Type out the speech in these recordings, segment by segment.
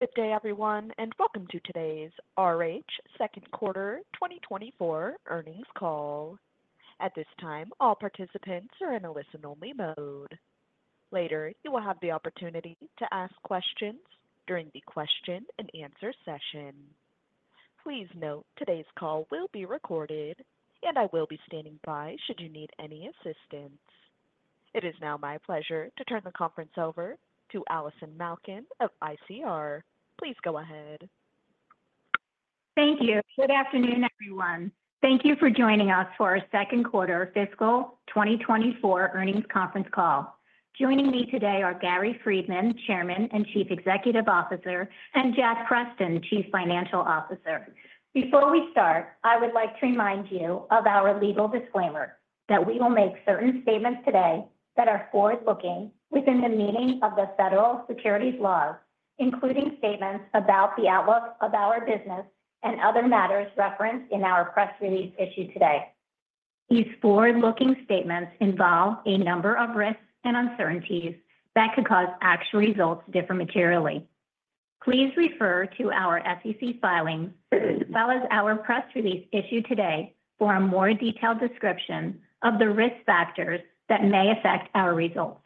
Good day, everyone, and welcome to today's RH second quarter 2024 Earnings Call. At this time, all participants are in a listen-only mode. Later, you will have the opportunity to ask questions during the question and answer session. Please note, today's call will be recorded, and I will be standing by should you need any assistance. It is now my pleasure to turn the conference over to Allison Malkin of ICR. Please go ahead. Thank you. Good afternoon, everyone. Thank you for joining us for our second quarter fiscal twenty twenty-four earnings conference call. Joining me today are Gary Friedman, Chairman and Chief Executive Officer, and Jack Preston, Chief Financial Officer. Before we start, I would like to remind you of our legal disclaimer that we will make certain statements today that are forward-looking within the meaning of the federal securities laws, including statements about the outlook of our business and other matters referenced in our press release issued today. These forward-looking statements involve a number of risks and uncertainties that could cause actual results to differ materially. Please refer to our SEC filings, as well as our press release issued today for a more detailed description of the risk factors that may affect our results.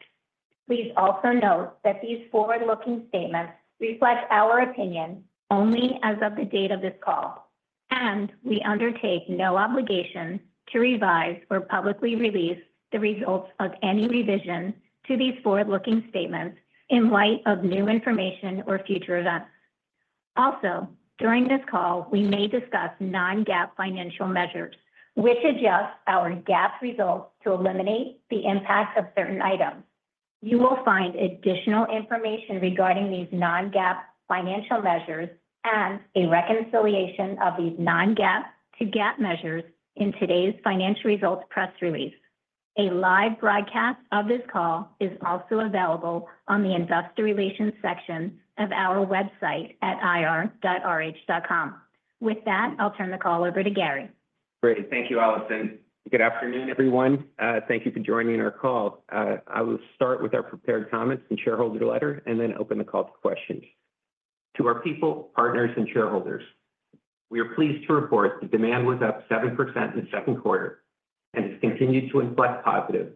Please also note that these forward-looking statements reflect our opinion only as of the date of this call, and we undertake no obligation to revise or publicly release the results of any revision to these forward-looking statements in light of new information or future events. Also, during this call, we may discuss non-GAAP financial measures, which adjust our GAAP results to eliminate the impact of certain items. You will find additional information regarding these non-GAAP financial measures and a reconciliation of these non-GAAP to GAAP measures in today's financial results press release. A live broadcast of this call is also available on the investor relations section of our website at ir.rh.com. With that, I'll turn the call over to Gary. Great. Thank you, Allison. Good afternoon, everyone. Thank you for joining our call. I will start with our prepared comments and shareholder letter and then open the call to questions. To our people, partners, and shareholders, we are pleased to report that demand was up 7% in the second quarter and has continued to inflect positive,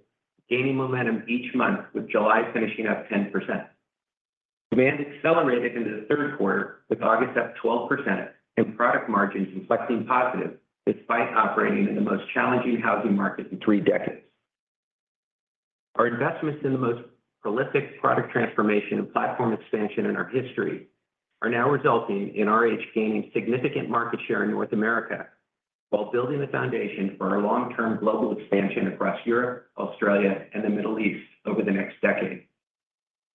gaining momentum each month, with July finishing up 10%. Demand accelerated into the third quarter, with August up 12% and product margins inflecting positive despite operating in the most challenging housing market in three decades. Our investments in the most prolific product transformation and platform expansion in our history are now resulting in RH gaining significant market share in North America while building the foundation for our long-term global expansion across Europe, Australia, and the Middle East over the next decade.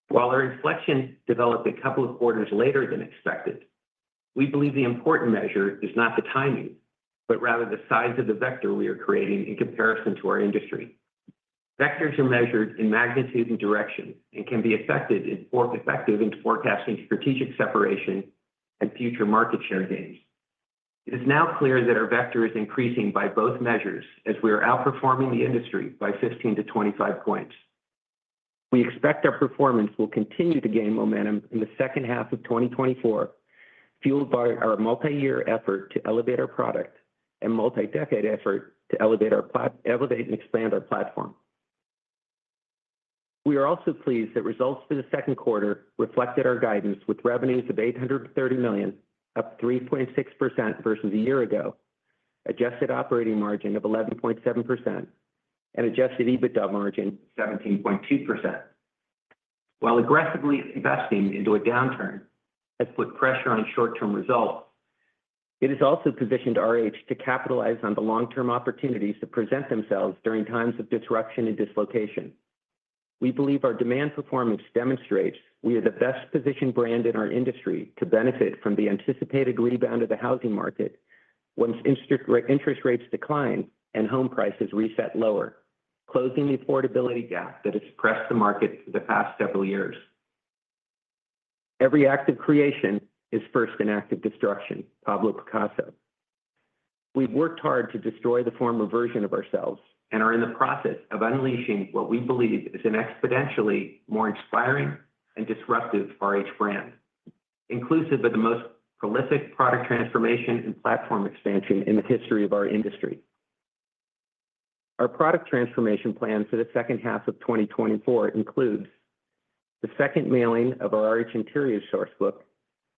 While our inflection developed a couple of quarters later than expected, we believe the important measure is not the timing, but rather the size of the vector we are creating in comparison to our industry. Vectors are measured in magnitude and direction and can be more effective in forecasting strategic separation and future market share gains. It is now clear that our vector is increasing by both measures, as we are outperforming the industry by 15-25 points. We expect our performance will continue to gain momentum in the second half of 2024, fueled by our multi-year effort to elevate our product and multi-decade effort to elevate and expand our platform. We are also pleased that results for the second quarter reflected our guidance with revenues of $830 million, up 3.6% versus a year ago, adjusted operating margin of 11.7%, and Adjusted EBITDA margin 17.2%. While aggressively investing into a downturn has put pressure on short-term results, it has also positioned RH to capitalize on the long-term opportunities that present themselves during times of disruption and dislocation. We believe our demand performance demonstrates we are the best-positioned brand in our industry to benefit from the anticipated rebound of the housing market once interest rates decline and home prices reset lower, closing the affordability gap that has suppressed the market for the past several years. "Every act of creation is first an act of destruction," Pablo Picasso. We've worked hard to destroy the former version of ourselves and are in the process of unleashing what we believe is an exponentially more inspiring and disruptive RH brand, inclusive of the most prolific product transformation and platform expansion in the history of our industry. Our product transformation plan for the second half of twenty twenty-four includes the second mailing of our RH Interiors Sourcebook,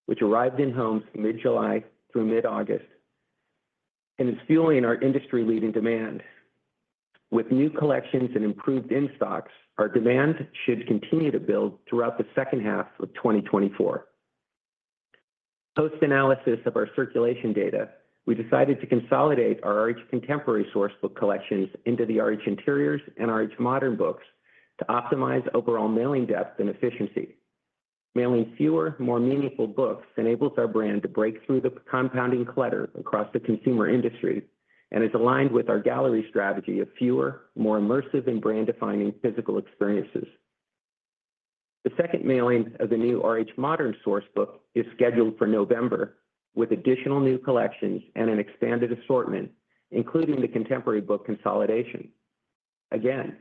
which arrived in homes mid-July through mid-August and is fueling our industry-leading demand. With new collections and improved in-stocks, our demand should continue to build throughout the second half of 2024. Post-analysis of our circulation data, we decided to consolidate our RH Contemporary Sourcebook collections into the RH Interiors and RH Modern books to optimize overall mailing depth and efficiency. Mailing fewer, more meaningful books enables our brand to break through the compounding clutter across the consumer industry and is aligned with our gallery strategy of fewer, more immersive and brand-defining physical experiences. The second mailing of the new RH Modern Sourcebook is scheduled for November, with additional new collections and an expanded assortment, including the contemporary book consolidation. Again,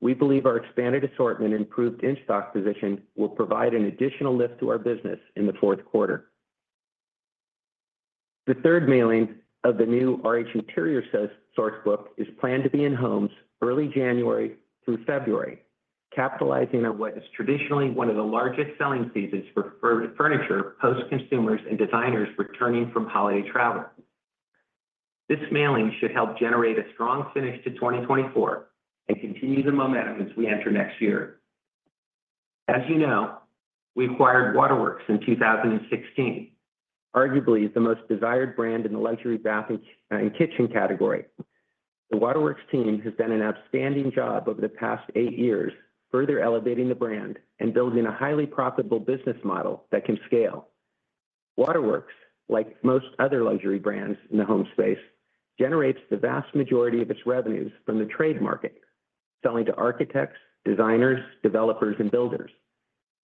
we believe our expanded assortment and improved in-stock position will provide an additional lift to our business in the fourth quarter. The third mailing of the new RH Interiors Sourcebook is planned to be in homes early January through February, capitalizing on what is traditionally one of the largest selling seasons for furniture, post-holidays, consumers, and designers returning from holiday travel. This mailing should help generate a strong finish to 2024 and continue the momentum as we enter next year. As you know, we acquired Waterworks in 2016, arguably the most desired brand in the luxury bath and kitchen category. The Waterworks team has done an outstanding job over the past eight years, further elevating the brand and building a highly profitable business model that can scale. Waterworks, like most other luxury brands in the home space, generates the vast majority of its revenues from the trade market, selling to architects, designers, developers, and builders.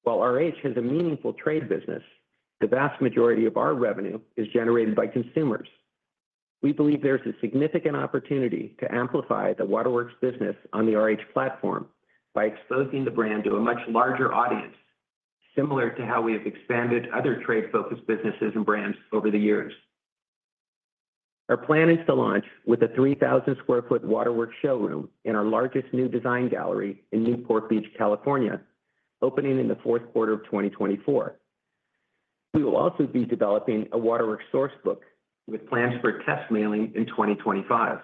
While RH has a meaningful trade business, the vast majority of our revenue is generated by consumers. We believe there's a significant opportunity to amplify the Waterworks business on the RH platform by exposing the brand to a much larger audience, similar to how we have expanded other trade-focused businesses and brands over the years. Our plan is to launch with a 3,000 sq ft Waterworks showroom in our largest new Design Gallery in Newport Beach, California, opening in the fourth quarter of 2024. We will also be developing a Waterworks Sourcebook with plans for a test mailing in 2025.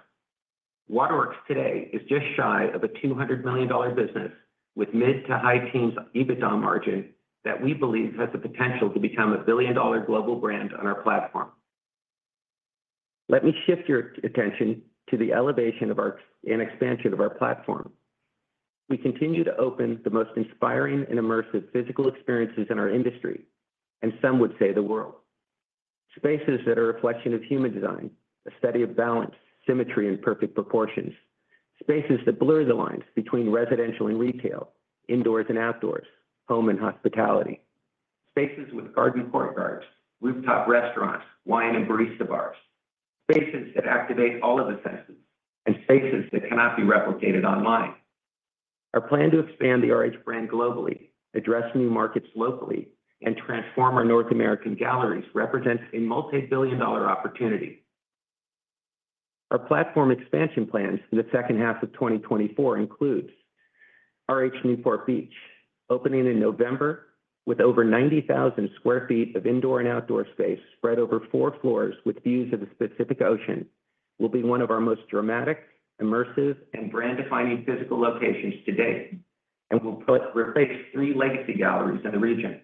Waterworks today is just shy of a $200 million business with mid- to high-teens EBITDA margin that we believe has the potential to become a $1 billion global brand on our platform. Let me shift your attention to the elevation and expansion of our platform. We continue to open the most inspiring and immersive physical experiences in our industry, and some would say the world. Spaces that are a reflection of human design, a study of balance, symmetry, and perfect proportions. Spaces that blur the lines between residential and retail, indoors and outdoors, home and hospitality. Spaces with garden courtyards, rooftop restaurants, wine and barista bars. Spaces that activate all of the senses and spaces that cannot be replicated online. Our plan to expand the RH brand globally, address new markets locally, and transform our North American galleries represents a multibillion-dollar opportunity. Our platform expansion plans for the second half of 2024 includes RH Newport Beach, opening in November with over 90,000 sq ft of indoor and outdoor space spread over four floors with views of the Pacific Ocean, will be one of our most dramatic, immersive, and brand-defining physical locations to date, and will replace three legacy galleries in the region.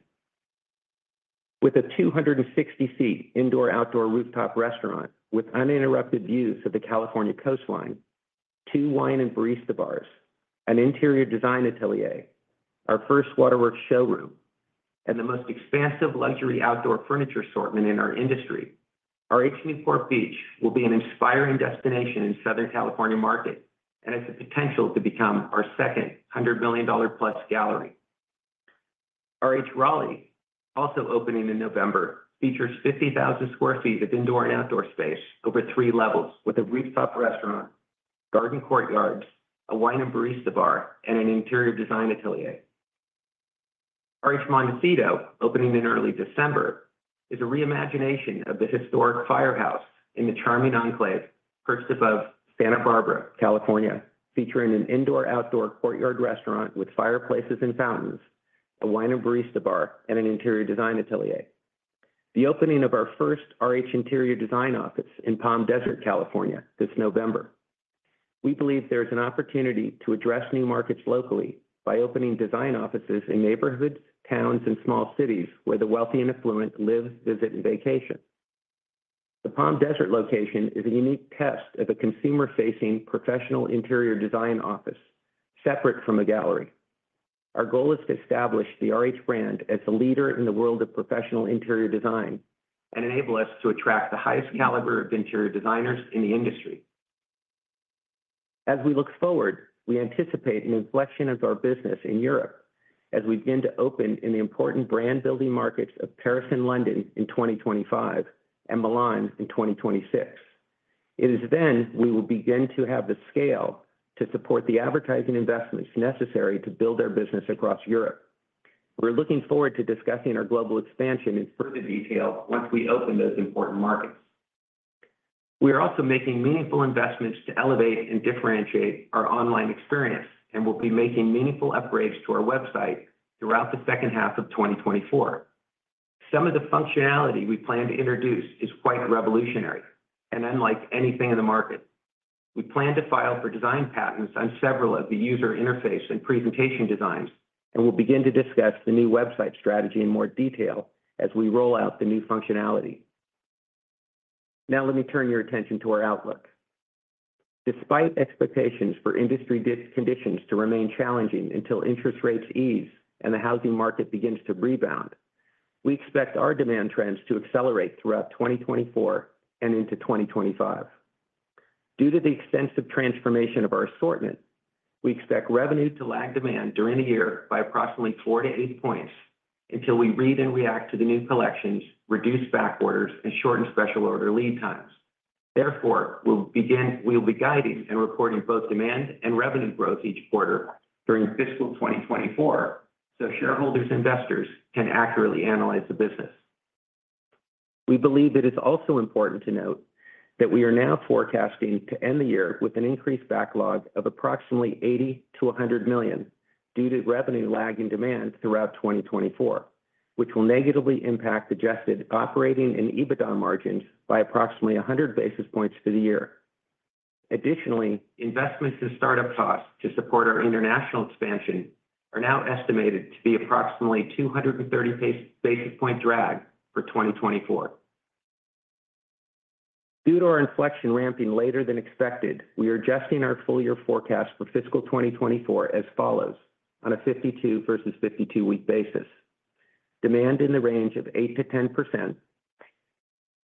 With a 260-seat indoor-outdoor rooftop restaurant with uninterrupted views of the California coastline, two wine and barista bars, an interior design atelier, our first Waterworks showroom, and the most expansive luxury outdoor furniture assortment in our industry. RH Newport Beach will be an inspiring destination in Southern California market and has the potential to become our second $100 million-plus gallery. RH Raleigh, also opening in November, features 50,000 sq ft of indoor and outdoor space over 3 levels with a rooftop restaurant, garden courtyards, a wine and barista bar, and an interior design atelier. RH Montecito, opening in early December, is a reimagination of the historic firehouse in the charming enclave, just above Santa Barbara, California, featuring an indoor-outdoor courtyard restaurant with fireplaces and fountains, a wine and barista bar, and an interior design atelier. The opening of our first RH interior design office in Palm Desert, California, this November. We believe there is an opportunity to address new markets locally by opening design offices in neighborhoods, towns, and small cities where the wealthy and affluent live, visit, and vacation. The Palm Desert location is a unique test of a consumer-facing professional interior design office, separate from a gallery. Our goal is to establish the RH brand as a leader in the world of professional interior design and enable us to attract the highest caliber of interior designers in the industry. As we look forward, we anticipate an inflection of our business in Europe as we begin to open in the important brand building markets of Paris and London in twenty twenty-five, and Milan in twenty twenty-six. It is then we will begin to have the scale to support the advertising investments necessary to build our business across Europe. We're looking forward to discussing our global expansion in further detail once we open those important markets. We are also making meaningful investments to elevate and differentiate our online experience, and we'll be making meaningful upgrades to our website throughout the second half of 2024. Some of the functionality we plan to introduce is quite revolutionary and unlike anything in the market. We plan to file for design patents on several of the user interface and presentation designs, and we'll begin to discuss the new website strategy in more detail as we roll out the new functionality. Now, let me turn your attention to our outlook. Despite expectations for industry conditions to remain challenging until interest rates ease and the housing market begins to rebound, we expect our demand trends to accelerate throughout 2024 and into 2025. Due to the extensive transformation of our assortment, we expect revenue to lag demand during the year by approximately four to eight points.... until we read and react to the new collections, reduce back orders, and shorten special order lead times. Therefore, we'll be guiding and reporting both demand and revenue growth each quarter during fiscal 2024, so shareholders investors can accurately analyze the business. We believe that it's also important to note that we are now forecasting to end the year with an increased backlog of approximately $80-$100 million, due to revenue lag and demand throughout 2024, which will negatively impact adjusted operating and EBITDA margins by approximately 100 basis points for the year. Additionally, investments and startup costs to support our international expansion are now estimated to be approximately 230 basis points drag for 2024. Due to our inflection ramping later than expected, we are adjusting our full-year forecast for fiscal 2024 as follows: on a 52-week versus 52-week basis, demand in the range of 8%-10%,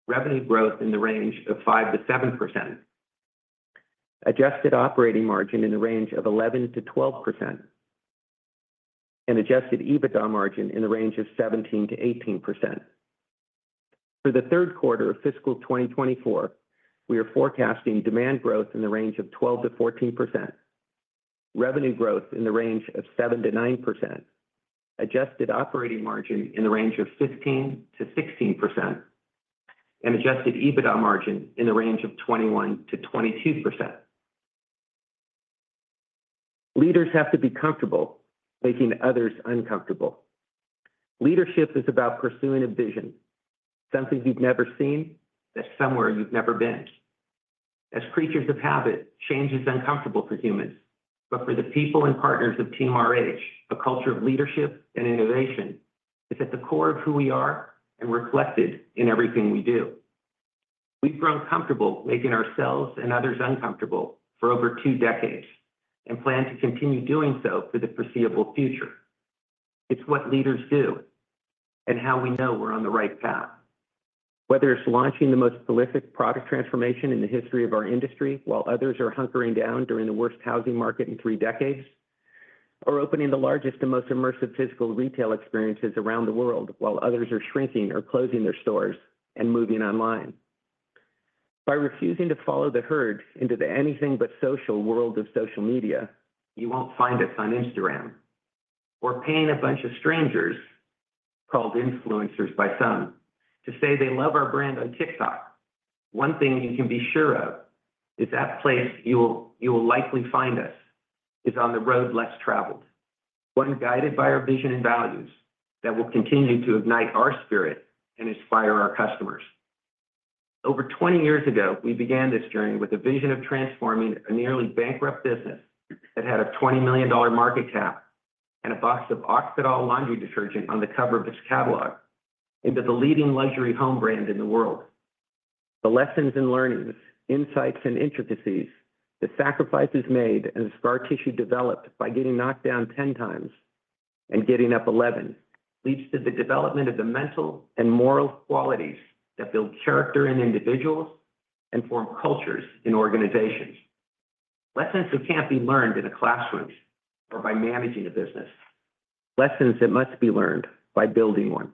revenue growth in the range of 5%-7%, Adjusted Operating Margin in the range of 11%-12%, and Adjusted EBITDA margin in the range of 17%-18%. For the third quarter of fiscal 2024, we are forecasting demand growth in the range of 12%-14%, revenue growth in the range of 7%-9%, Adjusted Operating Margin in the range of 15%-16%, and Adjusted EBITDA margin in the range of 21%-22%. Leaders have to be comfortable making others uncomfortable. Leadership is about pursuing a vision, something you've never seen, that's somewhere you've never been. As creatures of habit, change is uncomfortable for humans, but for the people and partners of Team RH, a culture of leadership and innovation is at the core of who we are and reflected in everything we do. We've grown comfortable making ourselves and others uncomfortable for over two decades and plan to continue doing so for the foreseeable future. It's what leaders do and how we know we're on the right path. Whether it's launching the most prolific product transformation in the history of our industry, while others are hunkering down during the worst housing market in three decades, or opening the largest and most immersive physical retail experiences around the world, while others are shrinking or closing their stores and moving online. By refusing to follow the herd into the anything but social world of social media, you won't find us on Instagram or paying a bunch of strangers, called influencers by some, to say they love our brand on TikTok. One thing you can be sure of is that place you will likely find us is on the road less traveled, one guided by our vision and values that will continue to ignite our spirit and inspire our customers. Over 20 years ago, we began this journey with a vision of transforming a nearly bankrupt business that had a $20 million market cap and a box of Oxydol laundry detergent on the cover of its catalog into the leading luxury home brand in the world. The lessons and learnings, insights and intricacies, the sacrifices made, and the scar tissue developed by getting knocked down ten times and getting up eleven, leads to the development of the mental and moral qualities that build character in individuals and form cultures in organizations. Lessons that can't be learned in a classroom or by managing a business. Lessons that must be learned by building one.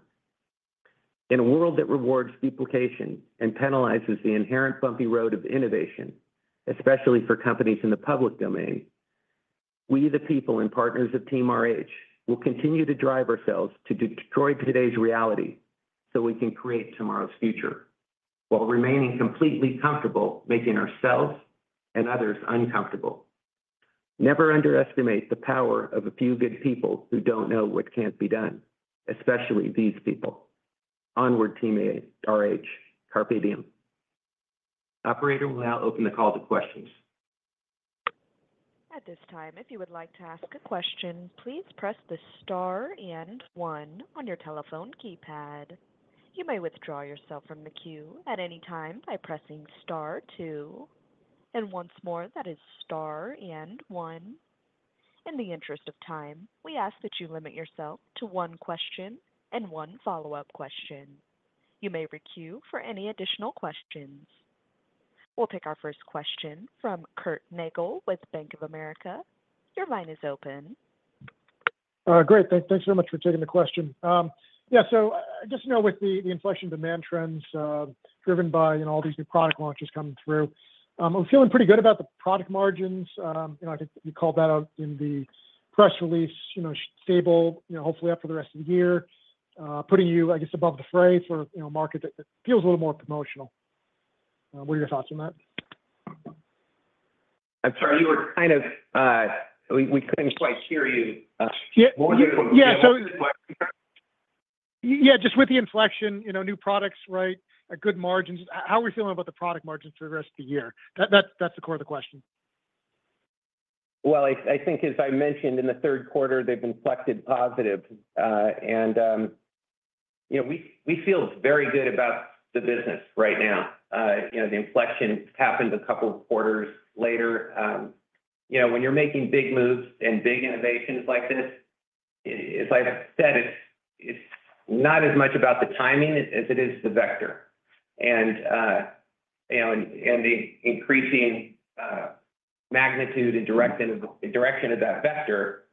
In a world that rewards duplication and penalizes the inherent bumpy road of innovation, especially for companies in the public domain, we, the people and partners of Team RH, will continue to drive ourselves to destroy today's reality so we can create tomorrow's future, while remaining completely comfortable making ourselves and others uncomfortable. Never underestimate the power of a few good people who don't know what can't be done, especially these people. Onward, Team RH. Carpe diem. Operator, we'll now open the call to questions. At this time, if you would like to ask a question, please press the star and one on your telephone keypad. You may withdraw yourself from the queue at any time by pressing star two. And once more, that is star and one. In the interest of time, we ask that you limit yourself to one question and one follow-up question. You may recue for any additional questions. We'll take our first question from Curtis Nagle with Bank of America. Your line is open. Great. Thanks so much for taking the question. Yeah, so just, you know, with the inflection demand trends driven by, you know, all these new product launches coming through, I'm feeling pretty good about the product margins. You know, I think you called that out in the press release, you know, stable, you know, hopefully up for the rest of the year, putting you, I guess, above the fray for, you know, a market that feels a little more promotional. What are your thoughts on that? I'm sorry, you were kind of. We couldn't quite hear you. Yeah, just with the inflection, you know, new products, right, at good margins, how are we feeling about the product margins for the rest of the year? That's the core of the question. I think as I mentioned in the third quarter, they've inflected positive, and you know, we feel very good about the business right now. You know, the inflection happened a couple of quarters later. You know, when you're making big moves and big innovations like this, it's like I said, it's not as much about the timing as it is the vector, and you know, and the increasing magnitude and direction of that vector,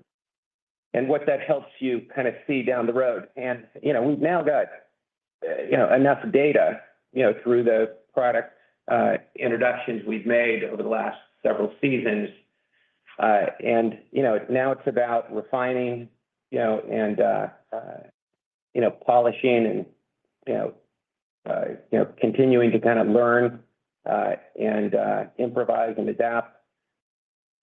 and what that helps you kind of see down the road, and you know, we've now got you know, enough data you know, through the product introductions we've made over the last several seasons. You know, now it's about refining, you know, and polishing and, you know, continuing to kind of learn and improvise and adapt.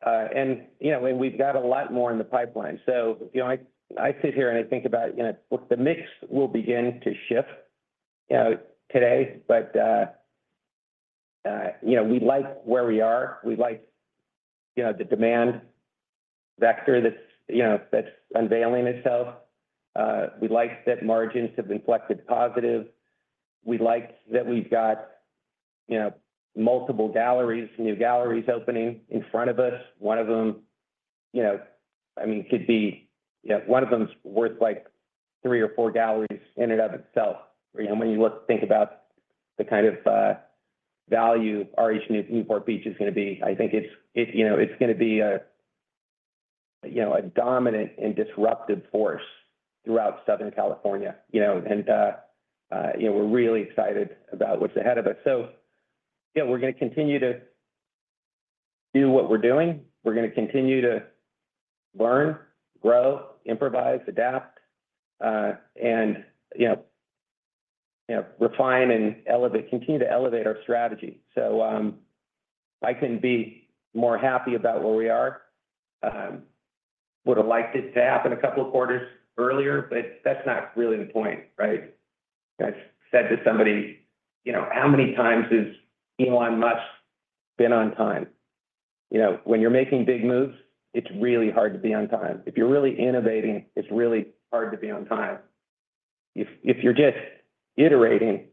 You know, we've got a lot more in the pipeline. You know, I sit here, and I think about, you know, the mix will begin to shift, you know, today, but, you know, we like where we are. We like, you know, the demand vector that's, you know, that's unveiling itself. We like that margins have inflected positive. We like that we've got, you know, multiple galleries, new galleries opening in front of us. One of them, you know, I mean, could be, you know, one of them's worth like three or four galleries in and of itself. You know, when you think about the kind of value of our new Newport Beach is gonna be, I think it's gonna be a dominant and disruptive force throughout Southern California. You know, we're really excited about what's ahead of us. So, yeah, we're gonna continue to do what we're doing. We're gonna continue to learn, grow, improvise, adapt, and refine and elevate, continue to elevate our strategy. So, I couldn't be more happy about where we are. Would have liked it to happen a couple of quarters earlier, but that's not really the point, right? I said to somebody, "You know, how many times has Elon Musk been on time?" You know, when you're making big moves, it's really hard to be on time. If you're really innovating, it's really hard to be on time. If you're just iterating,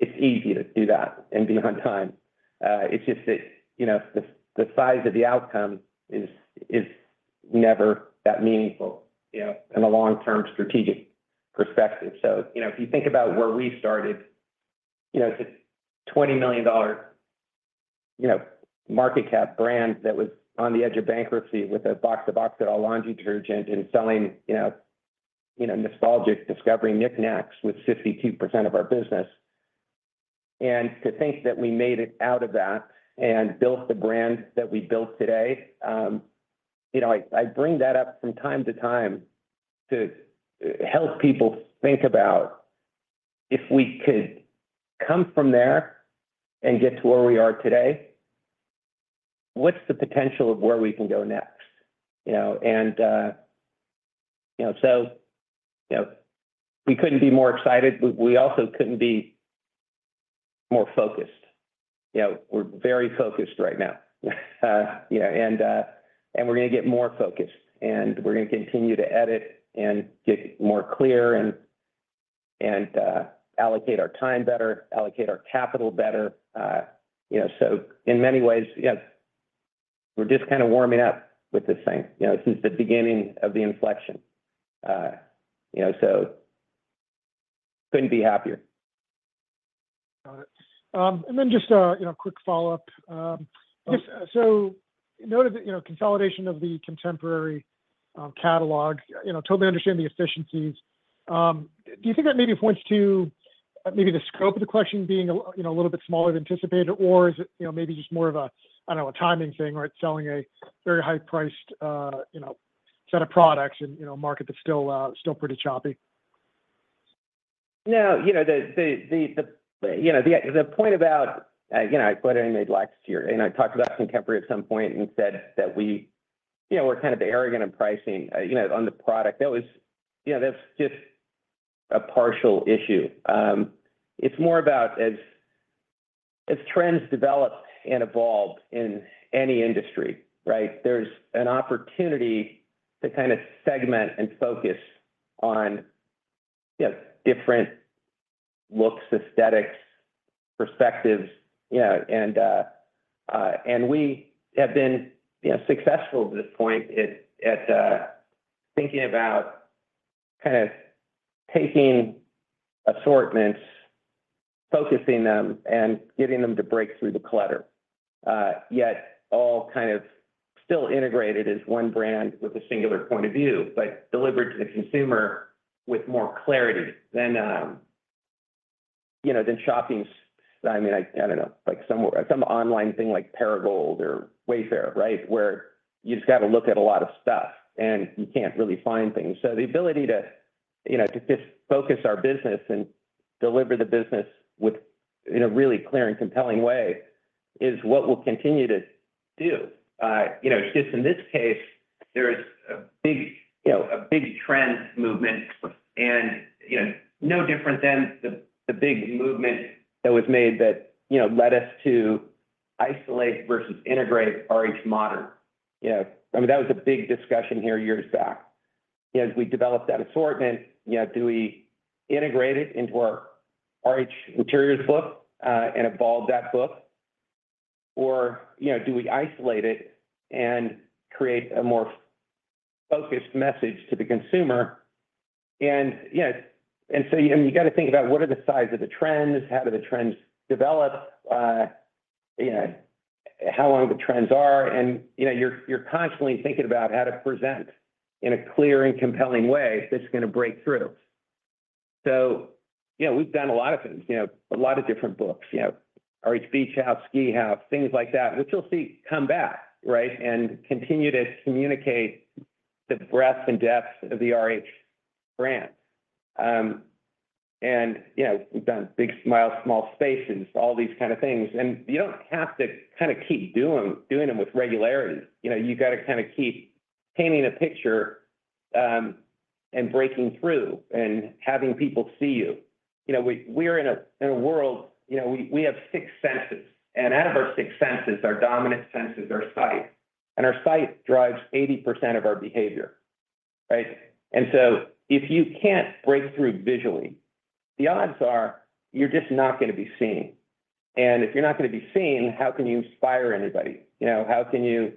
it's easy to do that and be on time. It's just that, you know, the size of the outcome is never that meaningful, you know, in a long-term strategic perspective. So, you know, if you think about where we started, you know, it's a $20 million market cap brand that was on the edge of bankruptcy with a box of Oxydol laundry detergent and selling, you know, nostalgic discovery knickknacks with 52% of our business. To think that we made it out of that and built the brand that we built today, you know, I bring that up from time to time to help people think about if we could come from there and get to where we are today, what's the potential of where we can go next? You know, and, you know, so, you know, we couldn't be more excited, but we also couldn't be more focused. You know, we're very focused right now. You know, and, and we're gonna get more focused, and we're gonna continue to edit and get more clear and, and, allocate our time better, allocate our capital better. You know, so in many ways, yes, we're just kinda warming up with this thing, you know, since the beginning of the inflection. You know, so couldn't be happier. Got it. And then just a, you know, quick follow-up, Yes. So in order to, you know, consolidation of the contemporary catalog, you know, totally understand the efficiencies. Do you think that maybe points to maybe the scope of the question being a, you know, a little bit smaller than anticipated, or is it, you know, maybe just more of a, I don't know, a timing thing, or it's selling a very high-priced, you know, set of products in a, you know, market that's still pretty choppy? No, you know, the point about, you know, I went in late last year, and I talked about contemporary at some point and said that we, you know, we're kind of arrogant in pricing, you know, on the product. That was... Yeah, that's just a partial issue. It's more about as trends develop and evolve in any industry, right? There's an opportunity to kind of segment and focus on, you know, different looks, aesthetics, perspectives, you know, and we have been, you know, successful to this point at thinking about kind of taking assortments, focusing them, and getting them to break through the clutter. Yet all kind of still integrated as one brand with a singular point of view, but delivered to the consumer with more clarity than, you know, than shopping. I mean, I don't know, like some online thing like Perigold or Wayfair, right? Where you just got to look at a lot of stuff, and you can't really find things. So the ability to, you know, to just focus our business and deliver the business with, in a really clear and compelling way is what we'll continue to do. You know, just in this case, there is a big, you know, a big trend movement and, you know, no different than the big movement that was made that, you know, led us to isolate versus integrate RH Modern. You know, I mean, that was a big discussion here years back. As we developed that assortment, you know, do we integrate it into our RH Interiors look, and evolve that look? Or, you know, do we isolate it and create a more f-... focused message to the consumer. And, yeah, and so you got to think about what are the size of the trends, how do the trends develop, you know, how long the trends are, and, you know, you're constantly thinking about how to present in a clear and compelling way that's going to break through. So, you know, we've done a lot of things, you know, a lot of different books, you know, RH Beach House, RH Ski House, things like that, which you'll see come back, right? And continue to communicate the breadth and depth of the RH brand. And, you know, we've done Big Style, Small Spaces, all these kind of things, and you don't have to kind of keep doing them with regularity. You know, you got to kind of keep painting a picture, and breaking through and having people see you. You know, we're in a world, you know, we have six senses, and out of our six senses, our dominant sense is our sight, and our sight drives 80% of our behavior, right? And so if you can't break through visually, the odds are you're just not going to be seen. And if you're not going to be seen, how can you inspire anybody? You know, how can you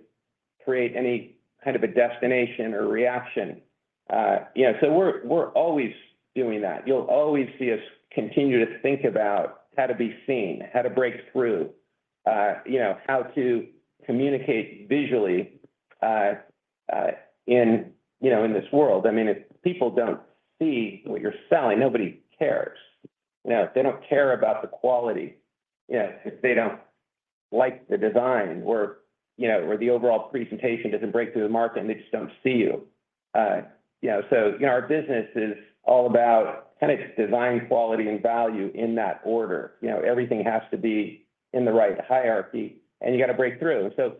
create any kind of a destination or reaction? Yeah, so we're always doing that. You'll always see us continue to think about how to be seen, how to break through, you know, how to communicate visually, in, you know, in this world. I mean, if people don't see what you're selling, nobody cares. You know, if they don't care about the quality, you know, if they don't like the design or, you know, or the overall presentation doesn't break through the market, and they just don't see you. You know, so, you know, our business is all about kind of design, quality, and value in that order. You know, everything has to be in the right hierarchy, and you got to break through, so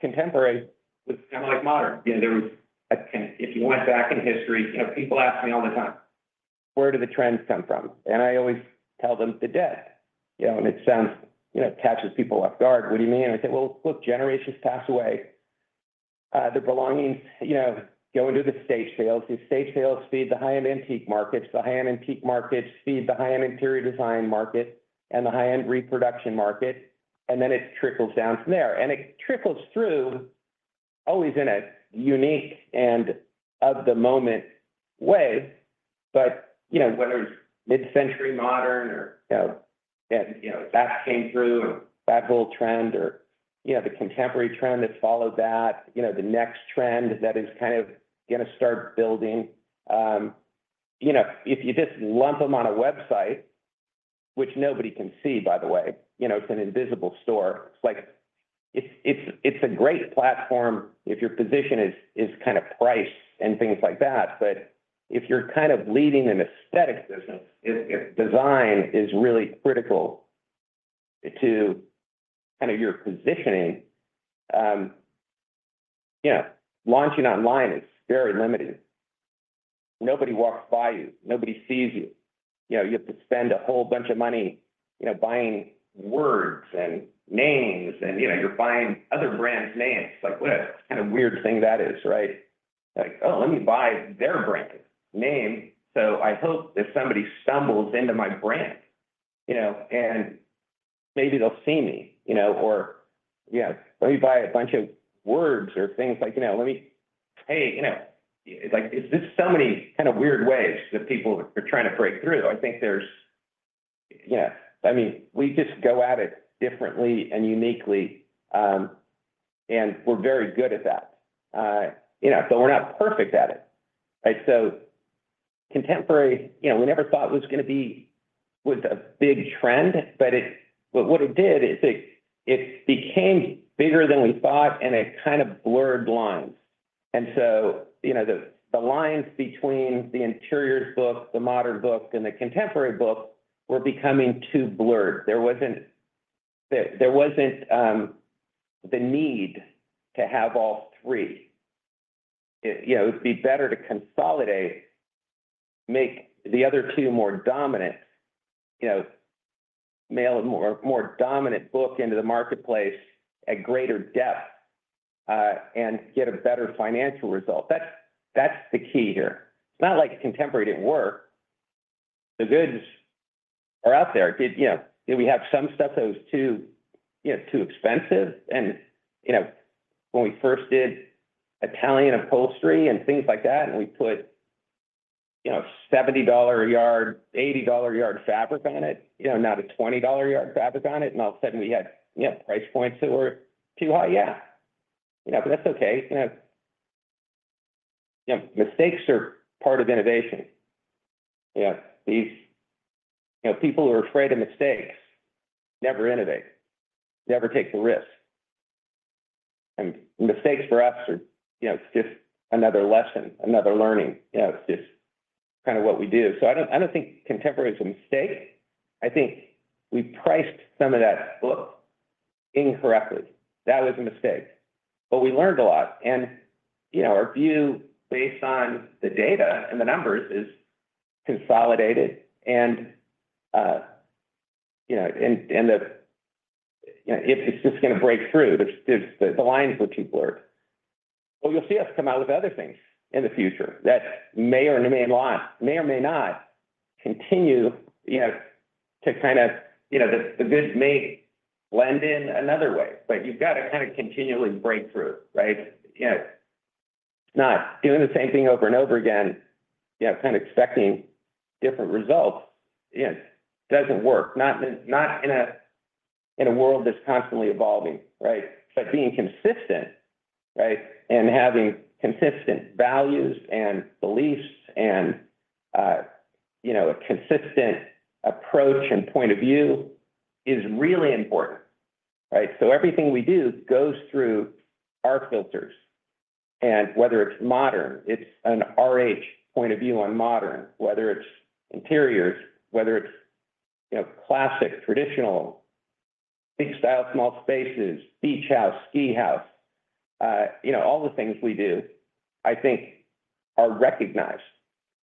contemporary was kind of like modern. You know, there was- if you went back in history, you know, people ask me all the time, where do the trends come from? And I always tell them, "The dead." You know, and it sounds, you know, it catches people off guard. What do you mean? I say, "Well, look, generations pass away. Their belongings, you know, go into the estate sales. The estate sales feed the high-end antique markets. The high-end antique markets feed the high-end interior design market and the high-end reproduction market, and then it trickles down from there," and it trickles through always in a unique and of-the-moment way, but you know, whether it's mid-century modern or, you know, and, you know, that came through, or that whole trend or, you know, the contemporary trend that followed that, you know, the next trend that is kind of going to start building. You know, if you just lump them on a website, which nobody can see, by the way, you know, it's an invisible store. It's like, it's a great platform if your position is kind of price and things like that, but if you're kind of leading an aesthetic business, if design is really critical to kind of your positioning, you know, launching online is very limited. Nobody walks by you. Nobody sees you. You know, you have to spend a whole bunch of money, you know, buying words and names, and, you know, you're buying other brands' names. Like, what a kind of weird thing that is, right? Like, "Oh, let me buy their brand name, so I hope if somebody stumbles into my brand, you know, and maybe they'll see me," you know? Or, "Yeah, let me buy a bunch of words or things like, you know." Hey, you know, like, there's just so many kind of weird ways that people are trying to break through. I think there's... You know, I mean, we just go at it differently and uniquely, and we're very good at that. You know, so we're not perfect at it, right? So contemporary, you know, we never thought it was gonna be, was a big trend, but but what it did is it became bigger than we thought, and it kind of blurred lines. And so, you know, the lines between the interiors book, the modern book, and the contemporary book were becoming too blurred. There wasn't the need to have all three. You know, it would be better to consolidate, make the other two more dominant, you know, make a more dominant book into the marketplace at greater depth, and get a better financial result. That's the key here. It's not like contemporary didn't work. The goods are out there. Did you know, did we have some stuff that was too, you know, too expensive? You know, when we first did Italian upholstery and things like that, and we put, you know, $70 a yard, $80 a yard fabric on it, you know, not a $20 a yard fabric on it, and all of a sudden we had, you know, price points that were too high? Yeah! You know, but that's okay. You know, you know, mistakes are part of innovation. You know, these, you know, people who are afraid of mistakes never innovate, never take the risk. And mistakes for us are, you know, it's just another lesson, another learning. You know, it's just kind of what we do. So I don't, I don't think contemporary is a mistake. I think we priced some of that book incorrectly. That was a mistake, but we learned a lot and, you know, our view based on the data and the numbers is consolidated and, you know, the, you know, it's just going to break through. The lines were too blurred. But you'll see us come out with other things in the future that may or may not, may or may not continue, you know to kind of, you know, the goods may blend in another way, but you've got to kind of continually break through, right? You know, not doing the same thing over and over again, you know, kind of expecting different results, you know, doesn't work. Not in a world that's constantly evolving, right? But being consistent, right, and having consistent values and beliefs and, you know, a consistent approach and point of view is really important, right? So everything we do goes through our filters, and whether it's modern, it's an RH point of view on modern, whether it's interiors, whether it's, you know, classic, traditional, Big Style, Small Spaces, Beach House, Ski House. You know, all the things we do, I think are recognized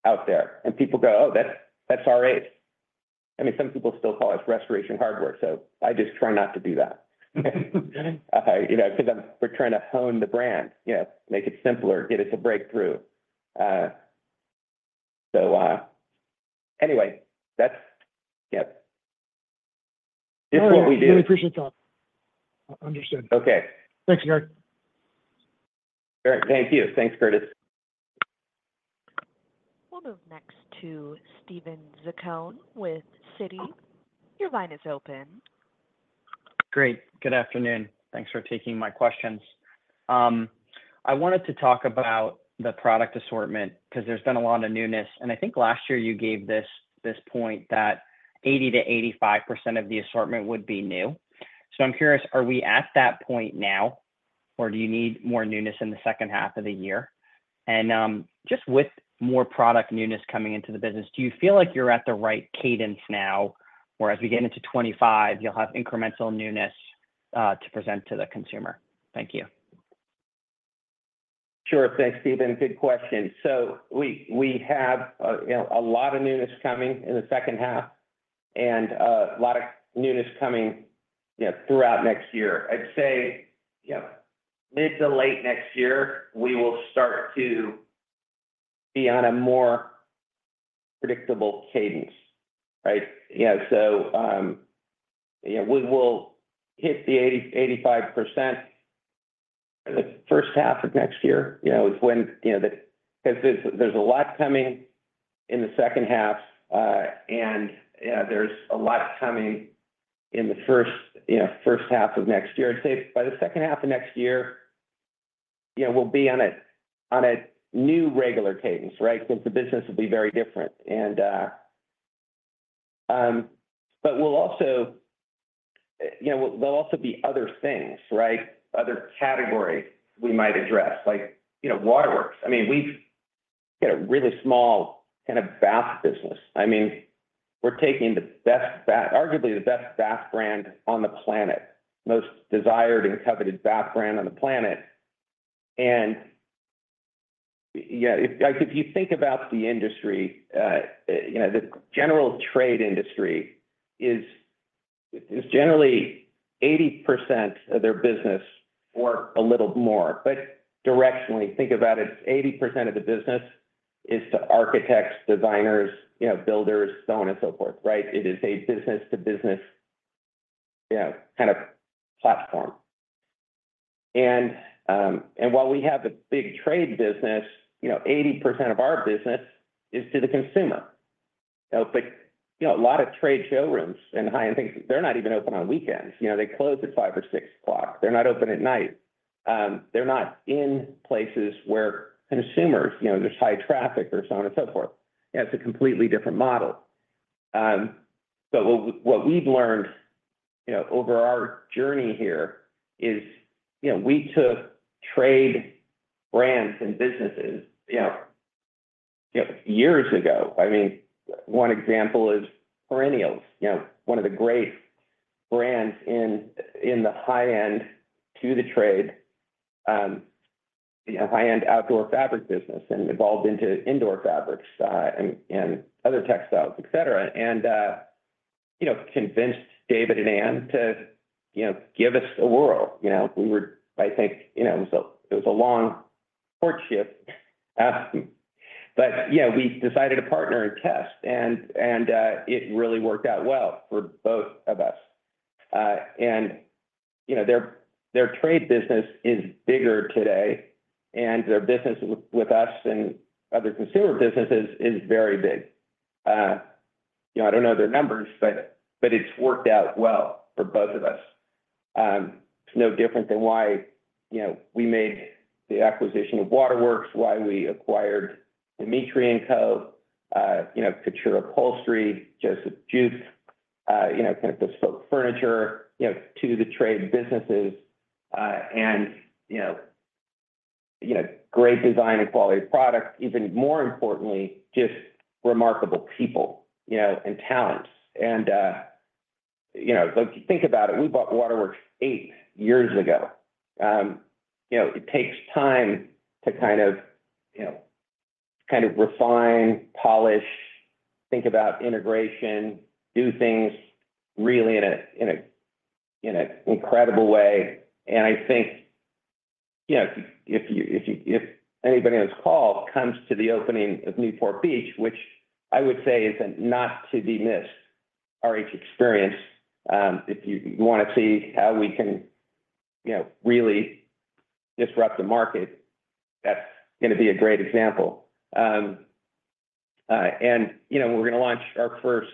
out there, and people go, "Oh, that's, that's RH." I mean, some people still call us Restoration Hardware, so I just try not to do that. You know, because we're trying to hone the brand, you know, make it simpler, get us a breakthrough. So, anyway, that's, yep. It's what we do. I really appreciate that. Understanding. Okay. Thanks, Gary. All right. Thank you. Thanks, Curtis. We'll move next to Steven Zaccone with Citi. Your line is open. Great. Good afternoon. Thanks for taking my questions. I wanted to talk about the product assortment, because there's been a lot of newness, and I think last year you gave this, this point that 80%-85% of the assortment would be new. So I'm curious, are we at that point now, or do you need more newness in the second half of the year? And, just with more product newness coming into the business, do you feel like you're at the right cadence now, or as we get into 2025, you'll have incremental newness, to present to the consumer? Thank you. Sure. Thanks, Steven. Good question. So we have you know, a lot of newness coming in the second half and a lot of newness coming you know, throughout next year. I'd say you know, mid to late next year, we will start to be on a more predictable cadence, right? You know, so yeah, we will hit the 80-85% the first half of next year. You know, is when you know, because there's a lot coming in the second half and there's a lot coming in the first you know, first half of next year. I'd say by the second half of next year you know, we'll be on a on a new regular cadence, right? Since the business will be very different. And but we'll also you know, there'll also be other things, right? Other categories we might address, like, you know, Waterworks. I mean, we've got a really small kind of bath business. I mean, we're taking the best bath, arguably the best bath brand on the planet, most desired and coveted bath brand on the planet. And, yeah, if, like, if you think about the industry, you know, the general trade industry is generally 80% of their business or a little more. But directionally, think about it, 80% of the business is to architects, designers, you know, builders, so on and so forth, right? It is a business to business, you know, kind of platform. And, and while we have a big trade business, you know, 80% of our business is to the consumer. You know, it's like, you know, a lot of trade showrooms and high-end things, they're not even open on weekends. You know, they close at five or six o'clock. They're not open at night. They're not in places where consumers, you know, there's high traffic or so on and so forth. It's a completely different model. So what we've learned, you know, over our journey here is, you know, we took trade brands and businesses, you know, years ago. I mean, one example is Perennials, you know, one of the great brands in the high-end to the trade, you know, high-end outdoor fabric business and evolved into indoor fabrics and other textiles, etc. And, you know, convinced David and Ann to, you know, give us a whirl. You know, we were... I think, you know, it was a long courtship, but, you know, we decided to partner and test, and it really worked out well for both of us. Their trade business is bigger today, and their business with us and other consumer businesses is very big. You know, I don't know their numbers, but it's worked out well for both of us. It's no different than why, you know, we made the acquisition of Waterworks, why we acquired Dmitriy & Co, you know, couture upholstery, Jeup, you know, kind of the bespoke furniture, you know, to-the-trade businesses, and, you know, great design and quality products, even more importantly, just remarkable people, you know, and talent. You know, like, if you think about it, we bought Waterworks eight years ago. You know, it takes time to kind of, you know, kind of refine, polish, think about integration, do things really in an incredible way. I think you know, if you, if anybody on this call comes to the opening of Newport Beach, which I would say is a not to be missed RH experience, if you want to see how we can, you know, really disrupt the market, that's going to be a great example. You know, we're going to launch our first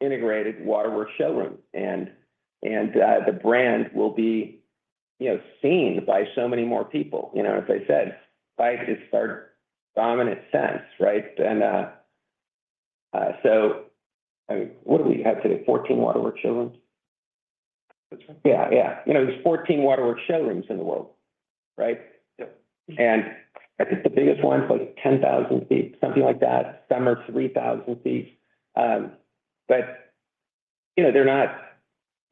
integrated Waterworks showroom, and the brand will be, you know, seen by so many more people. You know, as I said, sight is our dominant sense, right? So, I mean, what do we have today? 14 Waterworks showrooms? That's right. Yeah, yeah. You know, there's 14 Waterworks showrooms in the world, right? Yep. I think the biggest one is, like, 10,000 sq ft, something like that. Some are 3,000 sq ft. But, you know, they're not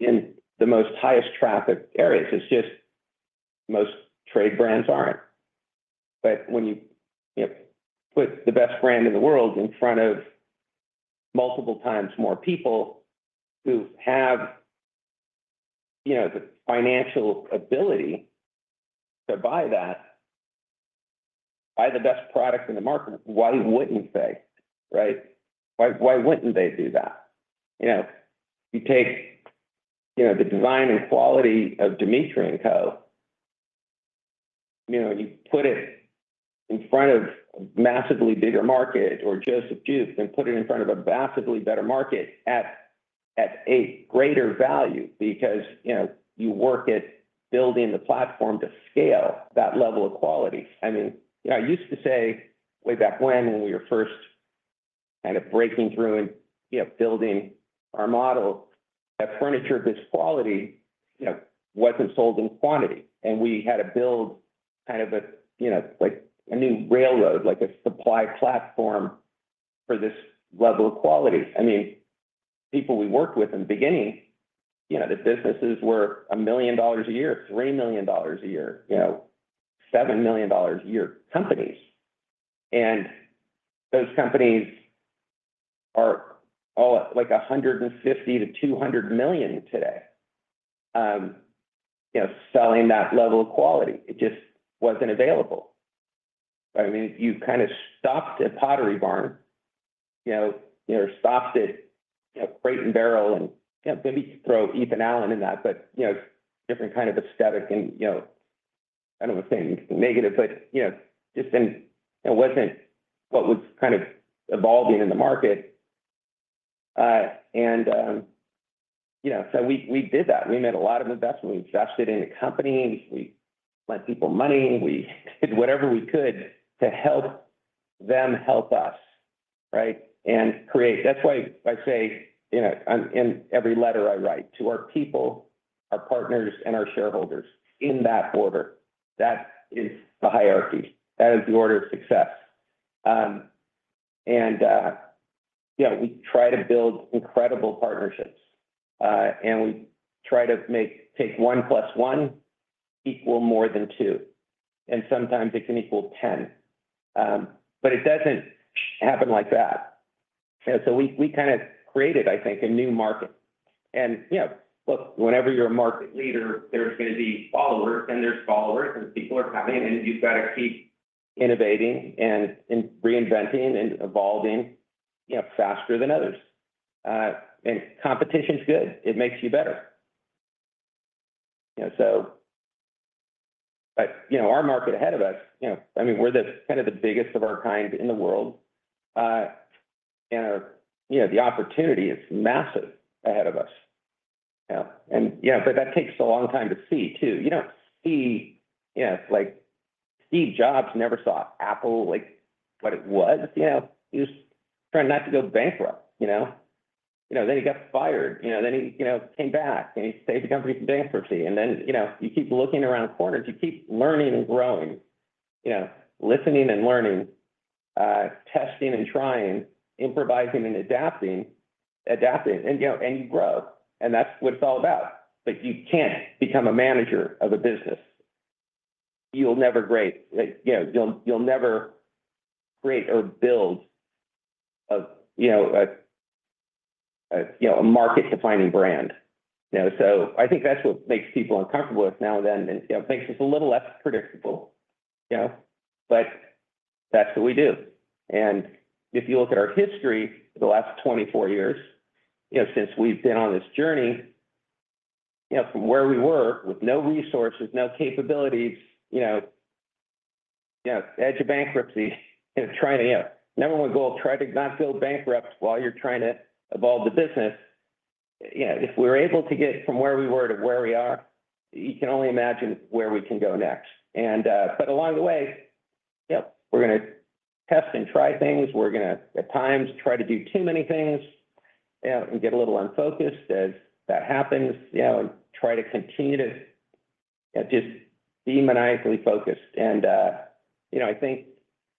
in the most highest traffic areas. It's just most trade brands aren't. But when you, you know, put the best brand in the world in front of multiple times more people who have, you know, the financial ability to buy that, buy the best product in the market, why wouldn't they, right? Why, why wouldn't they do that? You know, you take, you know, the design and quality of Dmitriy & Co. You know, you put it in front of a massively bigger market, or Jeup, and put it in front of a massively better market at, at a greater value, because, you know, you work at building the platform to scale that level of quality. I mean, I used to say way back when, when we were first kind of breaking through and, you know, building our model, that furniture of this quality, you know, wasn't sold in quantity, and we had to build kind of a, you know, like a new railroad, like a supply platform for this level of quality. I mean, people we worked with in the beginning, you know, the businesses were $1 million a year, $3 million a year, you know, $7 million a year companies. And those companies are all, like, $150-$200 million today, you know, selling that level of quality. It just wasn't available. I mean, you kind of stopped at Pottery Barn, you know, you know, stopped at, you know, Crate & Barrel, and, you know, maybe throw Ethan Allen in that, but, you know, different kind of aesthetic and, you know, I don't want to say anything negative, but, you know, just, it wasn't what was kind of evolving in the market. And, you know, so we did that. We made a lot of investments. We invested in the company. We lent people money. We did whatever we could to help them help us, right? And create... That's why I say, you know, in every letter I write to our people, our partners, and our shareholders, in that order, that is the hierarchy, that is the order of success. You know, we try to build incredible partnerships, and we try to take one plus one equal more than two, and sometimes it can equal ten. But it doesn't happen like that. So we kind of created, I think, a new market. You know, look, whenever you're a market leader, there's going to be followers, and there's followers, and people are coming, and you've got to keep innovating and reinventing and evolving, you know, faster than others. Competition's good. It makes you better. You know, so. But you know, our market ahead of us, you know, I mean, we're the kind of the biggest of our kind in the world. You know, the opportunity is massive ahead of us. You know, and yeah, but that takes a long time to see, too. You don't see, you know, like, Steve Jobs never saw Apple like what it was. You know, he was trying not to go bankrupt, you know? You know, then he got fired, you know, then he came back, and he saved the company from bankruptcy. And then, you know, you keep looking around corners, you keep learning and growing, you know, listening and learning, testing and trying, improvising and adapting, and you grow, and that's what it's all about. But you can't become a manager of a business. You'll never great- you know, you'll never create or build a market-defining brand, you know? So I think that's what makes people uncomfortable with now and then, and makes us a little less predictable. You know? But that's what we do. And if you look at our history, the last twenty-four years, you know, since we've been on this journey, you know, from where we were with no resources, no capabilities, you know, you know, edge of bankruptcy, you know, trying to... You know, number one goal, try to not go bankrupt while you're trying to evolve the business. You know, if we're able to get from where we were to where we are, you can only imagine where we can go next. And, but along the way, yep, we're gonna test and try things. We're gonna, at times, try to do too many things, and get a little unfocused as that happens, you know, and try to continue to just be maniacally focused. You know, I think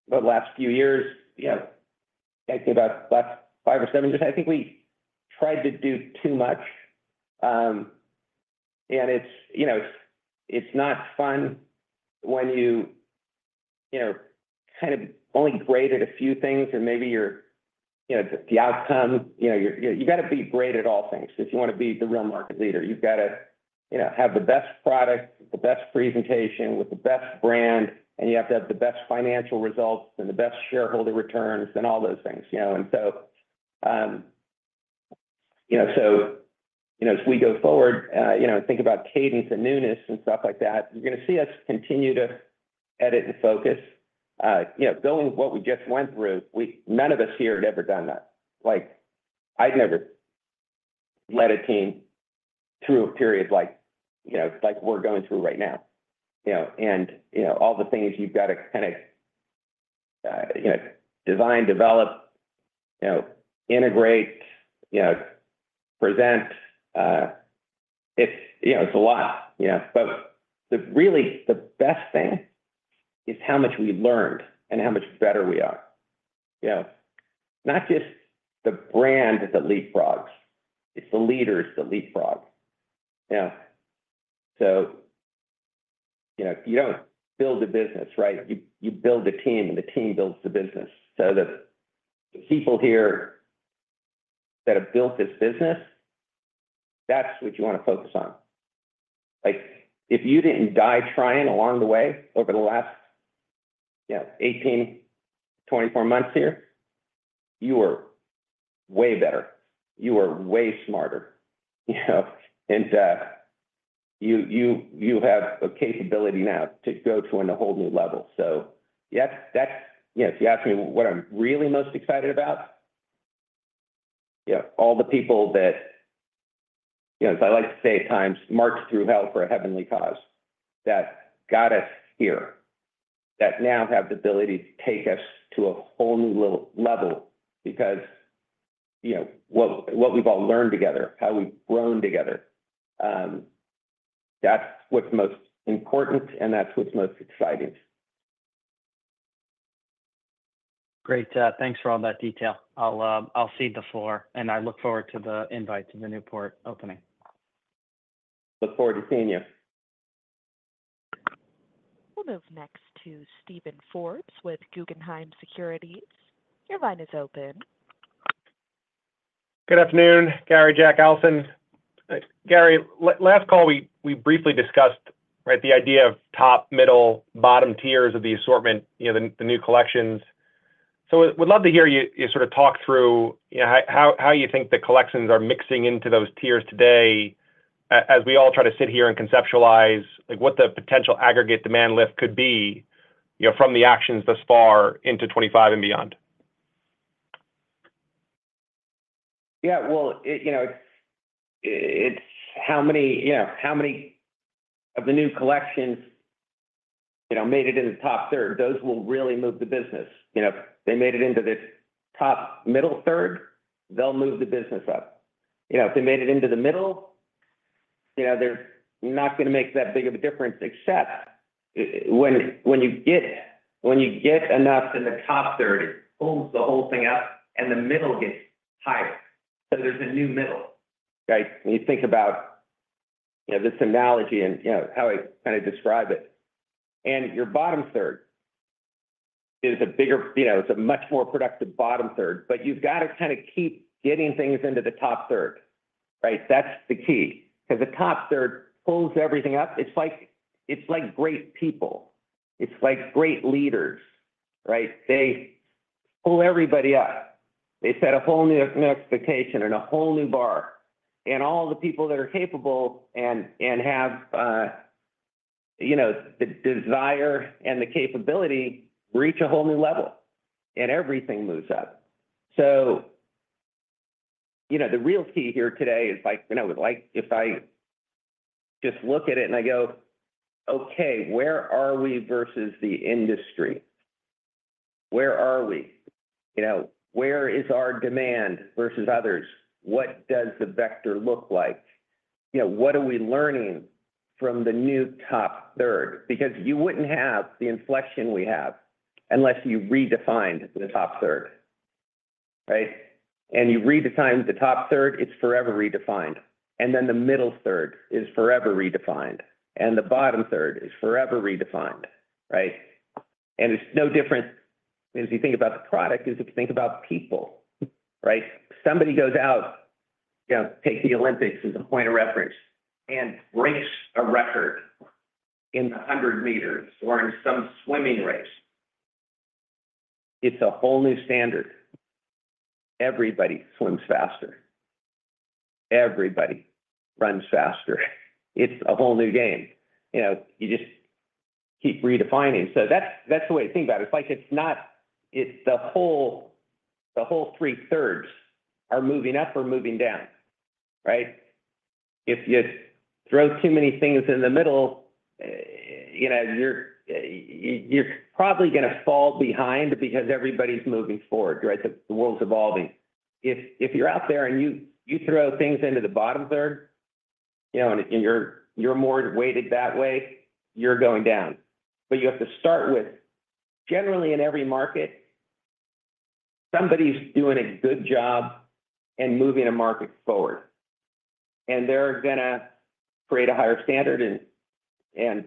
the last few years, you know, I think about the last five or seven years, I think we tried to do too much. It's, you know, it's not fun when you know, kind of only great at a few things, and maybe you're, you know, the outcome, you know, you're, you gotta be great at all things. If you wanna be the real market leader, you've got to, you know, have the best product, the best presentation, with the best brand, and you have to have the best financial results and the best shareholder returns and all those things, you know? So, you know, as we go forward, you know, think about cadence and newness and stuff like that, you're gonna see us continue to edit and focus. You know, going what we just went through, we none of us here had ever done that. Like, I'd never led a team through a period like, you know, like we're going through right now. You know, and, you know, all the things you've got to kind of, you know, design, develop, you know, integrate, you know, present, it's, you know, it's a lot, you know? But the really, the best thing is how much we learned and how much better we are. You know, not just the brand that leapfrogs, it's the leaders that leapfrog. You know, so, you know, you don't build a business, right? You, you build a team, and the team builds the business. So the, the people here that have built this business, that's what you wanna focus on. Like, if you didn't die trying along the way over the last, you know, eighteen, twenty-four months here, you are way better. You are way smarter, you know? And you have a capability now to go to on a whole new level. So yes, that's. You know, if you ask me what I'm really most excited about, you know, all the people that, you know, as I like to say at times, "Marched through hell for a heavenly cause," that got us here, that now have the ability to take us to a whole new level because, you know, what we've all learned together, how we've grown together, that's what's most important, and that's what's most exciting. Great. Thanks for all that detail. I'll cede the floor, and I look forward to the invite to the Newport opening. Look forward to seeing you. We'll move next to Steven Forbes with Guggenheim Securities. Your line is open. Good afternoon, Gary, Jack, Allison. Gary, last call, we briefly discussed, right, the idea of top, middle, bottom tiers of the assortment, you know, the new collections. So would love to hear you sort of talk through, you know, how you think the collections are mixing into those tiers today, as we all try to sit here and conceptualize, like, what the potential aggregate demand lift could be, you know, from the actions thus far into twenty-five and beyond. Yeah, well, you know, it's how many, you know, how many of the new collections, you know, made it in the top third. Those will really move the business. You know, if they made it into the top middle third, they'll move the business up. You know, if they made it into the middle, you know, they're not gonna make that big of a difference, except when you get enough in the top third, it pulls the whole thing up, and the middle gets higher. So there's a new middle, right? When you think about this analogy and, you know, how I kinda describe it, and your bottom third is bigger, you know, it's a much more productive bottom third, but you've got to kinda keep getting things into the top third, right? That's the key. 'Cause the top third pulls everything up. It's like, it's like great people. It's like great leaders, right? They pull everybody up. They set a whole new, new expectation and a whole new bar, and all the people that are capable and, and have, you know, the desire and the capability reach a whole new level, and everything moves up. So, you know, the real key here today is like, you know, like if I just look at it and I go, "Okay, where are we versus the industry? Where are we? You know, where is our demand versus others? What does the vector look like? You know, what are we learning from the new top third?" Because you wouldn't have the inflection we have unless you redefined the top third, right? And you redefine the top third, it's forever redefined, and then the middle third is forever redefined, and the bottom third is forever redefined, right? And it's no different as you think about the product is if you think about people, right? Somebody goes out, you know, take the Olympics as a point of reference, and breaks a record in the hundred meters or in some swimming race. It's a whole new standard. Everybody swims faster. Everybody runs faster. It's a whole new game. You know, you just keep redefining. So that's the way to think about it. It's like the whole three-thirds are moving up or moving down, right? If you throw too many things in the middle, you know, you're probably gonna fall behind because everybody's moving forward, right? The world's evolving. If you're out there and you throw things into the bottom third, you know, and you're more weighted that way, you're going down. But you have to start with, generally in every market, somebody's doing a good job and moving a market forward, and they're gonna create a higher standard, and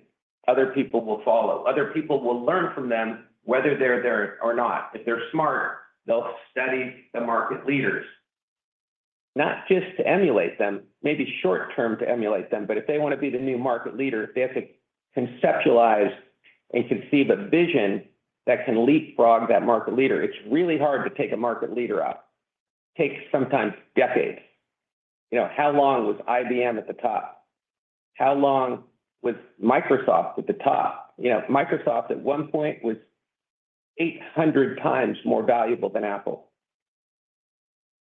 other people will follow. Other people will learn from them, whether they're there or not. If they're smart, they'll study the market leaders, not just to emulate them, maybe short term to emulate them, but if they want to be the new market leader, they have to conceptualize and conceive a vision that can leapfrog that market leader. It's really hard to take a market leader out. Takes sometimes decades. You know, how long was IBM at the top? How long was Microsoft at the top? You know, Microsoft at one point was eight hundred times more valuable than Apple.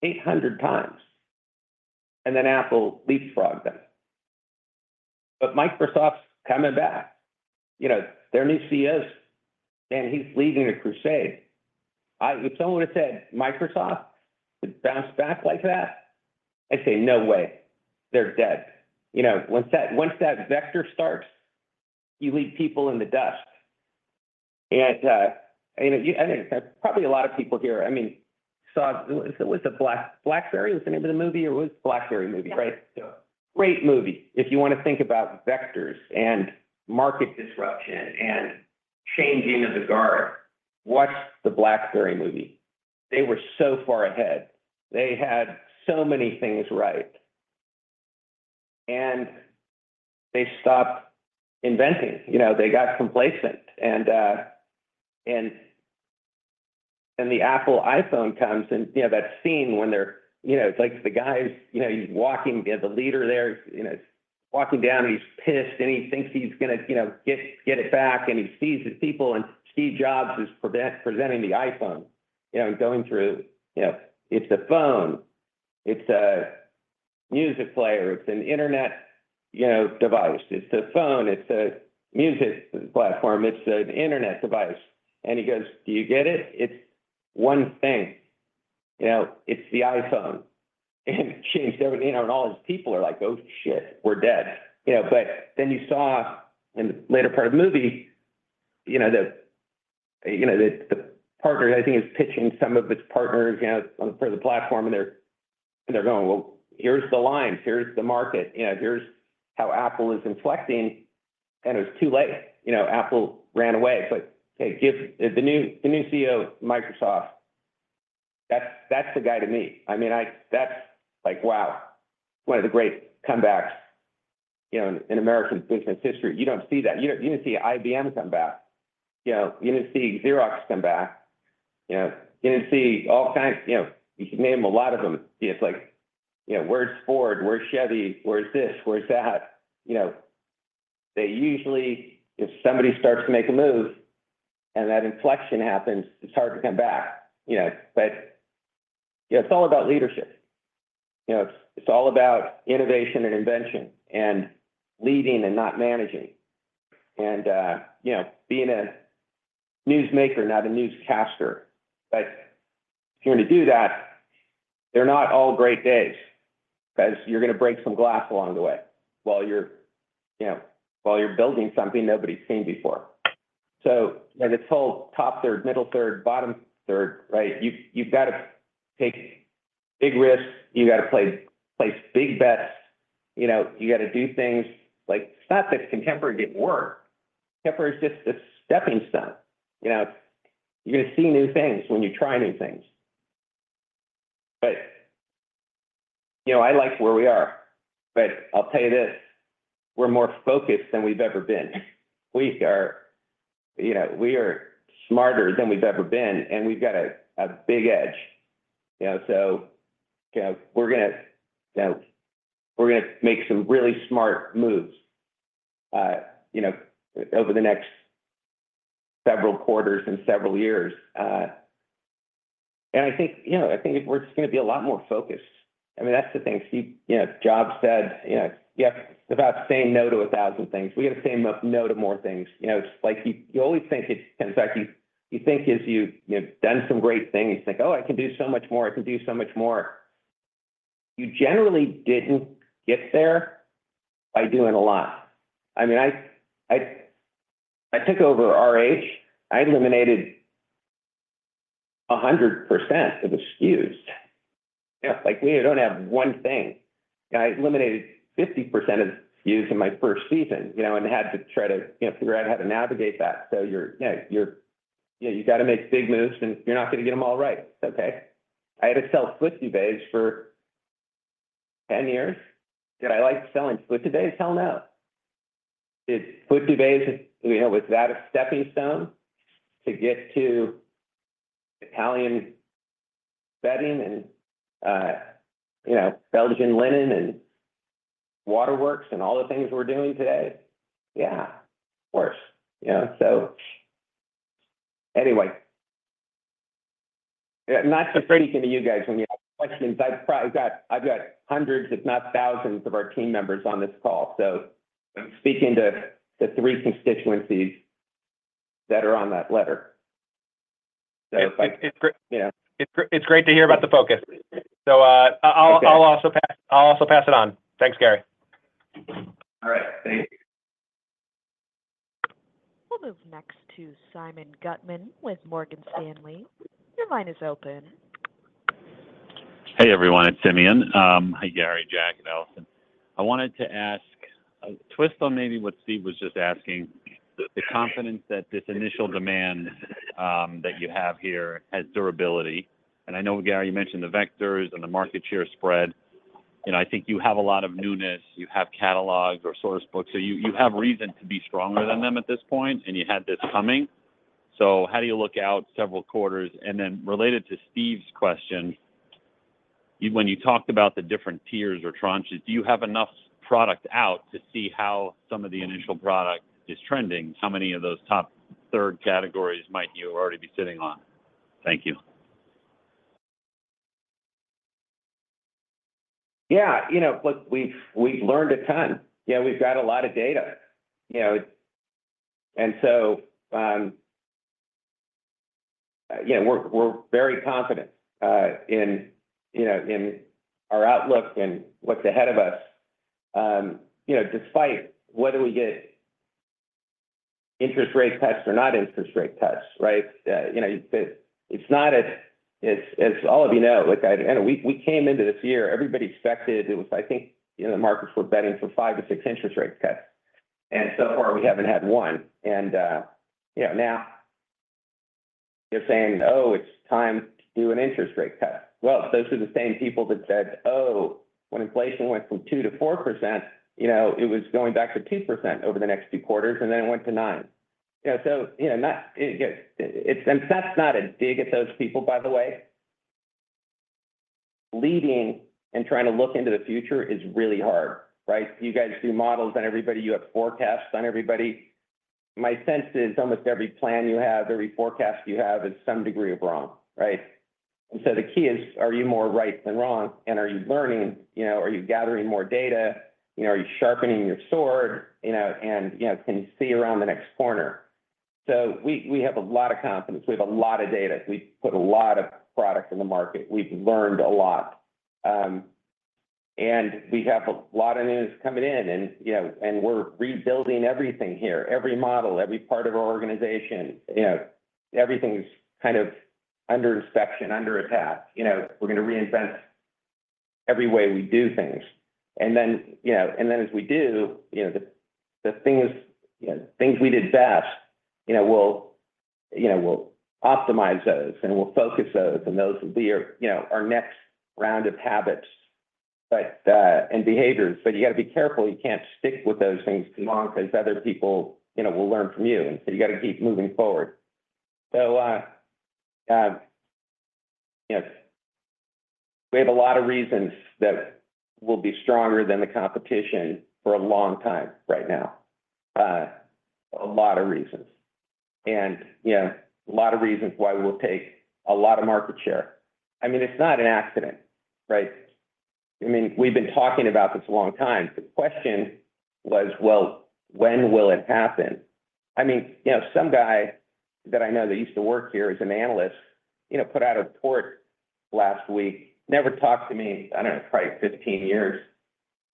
Eight hundred times, and then Apple leapfrogged them. But Microsoft's coming back. You know, their new CEO, man, he's leading a crusade. If someone would have said Microsoft would bounce back like that, I'd say, "No way, they're dead." You know, once that vector starts, you leave people in the dust. And you know, I think there's probably a lot of people here, I mean, saw, was it BlackBerry, was the name of the movie, or was it BlackBerry movie, right? Yeah. Great movie. If you want to think about vectors and market disruption and changing of the guard, watch the BlackBerry movie. They were so far ahead. They had so many things right, and they stopped inventing. You know, they got complacent, and the Apple iPhone comes, and, you know, that scene when they're, you know, it's like the guy's, you know, he's walking, the leader there, you know, walking down, and he's pissed, and he thinks he's gonna, you know, get, get it back, and he sees the people, and Steve Jobs is presenting the iPhone, you know, going through, you know, it's a phone, it's a music player, it's an internet, you know, device. It's a phone, it's a music platform, it's an internet device. And he goes, "Do you get it? It's one thing, you know, it's the iPhone." And he changed everything, you know, and all his people are like, "Oh, shit, we're dead." You know, but then you saw in the later part of the movie, you know, the partner, I think, is pitching some of its partners, you know, on for the platform, and they're going, "Well, here's the line, here's the market, you know, here's how Apple is inflecting," and it was too late. You know, Apple ran away. But, hey, give the new CEO of Microsoft, that's the guy to me. I mean, I... That's like, wow, one of the great comebacks, you know, in American business history. You don't see that. You didn't see IBM come back. You know, you didn't see Xerox come back. You know, you didn't see all kinds... You know, you can name a lot of them. It's like, you know, where's Ford? Where's Chevy? Where's this? Where's that? You know, they usually, if somebody starts to make a move and that inflection happens, it's hard to come back, you know? But, yeah, it's all about leadership. You know, it's all about innovation and invention and leading and not managing and, you know, being a newsmaker, not a newscaster. But if you're gonna do that, they're not all great days, 'cause you're gonna break some glass along the way while you're, you know, building something nobody's seen before. So there's this whole top third, middle third, bottom third, right? You've got to take big risks, you gotta place big bets, you know, you gotta do things. Like, it's not that contemporary didn't work. Contemporary is just a stepping stone. You know, you're gonna see new things when you try new things. But, you know, I like where we are, but I'll tell you this, we're more focused than we've ever been. We are. You know, we are smarter than we've ever been, and we've got a big edge. You know, so, you know, we're gonna, you know, we're gonna make some really smart moves, you know, over the next several quarters and several years. And I think, you know, I think we're just gonna be a lot more focused. I mean, that's the thing Steve Jobs said, you know, you have to about saying no to a thousand things. We have to say no to more things. You know, it's like you, you always think it's... In fact, you think as you've done some great things, you think, "Oh, I can do so much more. I can do so much more." You generally didn't get there by doing a lot. I mean, I took over RH. I eliminated 100% of the SKUs. You know, like, we don't have one thing. I eliminated 50% of SKUs in my first season, you know, and had to try to, you know, figure out how to navigate that. So you, you know, gotta make big moves, and you're not gonna get them all right. It's okay. I had to sell split duvets for 10 years. Did I like selling split duvets? Hell, no! Did split duvets, you know, was that a stepping stone to get to Italian bedding and, you know, Belgian linen and Waterworks and all the things we're doing today? Yeah, of course. You know, so anyway, I'm not so pithy to you guys when you have questions. I've got hundreds, if not thousands, of our team members on this call, so I'm speaking to the three constituencies that are on that letter. It's great- Yeah. It's great to hear about the focus. So, I'll also pass it on. Thanks, Gary. All right. Thank you.... We'll move next to Simeon Gutman with Morgan Stanley. Your line is open. Hey, everyone, it's Simeon. Hi, Gary, Jack, and Allison. I wanted to ask a twist on maybe what Steve was just asking, the confidence that this initial demand that you have here has durability. And I know, Gary, you mentioned the vectors and the market share spread. You know, I think you have a lot of newness, you have catalogs or Source Books, so you have reason to be stronger than them at this point, and you had this coming. So how do you look out several quarters? And then related to Steve's question, when you talked about the different tiers or tranches, do you have enough product out to see how some of the initial product is trending? How many of those top third categories might you already be sitting on? Thank you. Yeah, you know, look, we've learned a ton. Yeah, we've got a lot of data, you know. And so, yeah, we're very confident in, you know, in our outlook and what's ahead of us. You know, despite whether we get interest rate cuts or not, interest rate cuts, right? You know, it's not as all of you know, like, I know, we came into this year, everybody expected it was I think, you know, the markets were betting for five to six interest rate cuts, and so far, we haven't had one. You know, now they're saying, "Oh, it's time to do an interest rate cut." Well, those are the same people that said, "Oh, when inflation went from 2%-4%, you know, it was going back to 2% over the next few quarters, and then it went to 9%." You know, so you know, it's... And that's not a dig at those people, by the way. Leading and trying to look into the future is really hard, right? You guys do models on everybody, you have forecasts on everybody. My sense is almost every plan you have, every forecast you have is some degree of wrong, right? And so the key is, are you more right than wrong, and are you learning? You know, are you gathering more data? You know, are you sharpening your sword? You know, and, you know, can you see around the next corner? So we have a lot of confidence. We have a lot of data. We've put a lot of product in the market. We've learned a lot. And we have a lot of news coming in, and, you know, and we're rebuilding everything here, every model, every part of our organization. You know, everything's kind of under inspection, under attack. You know, we're going to reinvent every way we do things. And then, you know, and then as we do, you know, the things we did best, you know, we'll optimize those, and we'll focus those, and those will be our, you know, our next round of habits, but and behaviors. But you got to be careful. You can't stick with those things too long because other people, you know, will learn from you, and so you got to keep moving forward. So, you know, we have a lot of reasons that we'll be stronger than the competition for a long time right now. A lot of reasons. And, you know, a lot of reasons why we'll take a lot of market share. I mean, it's not an accident, right? I mean, we've been talking about this a long time. The question was, well, when will it happen? I mean, you know, some guy that I know that used to work here as an analyst, you know, put out a report last week, never talked to me, I don't know, probably 15 years,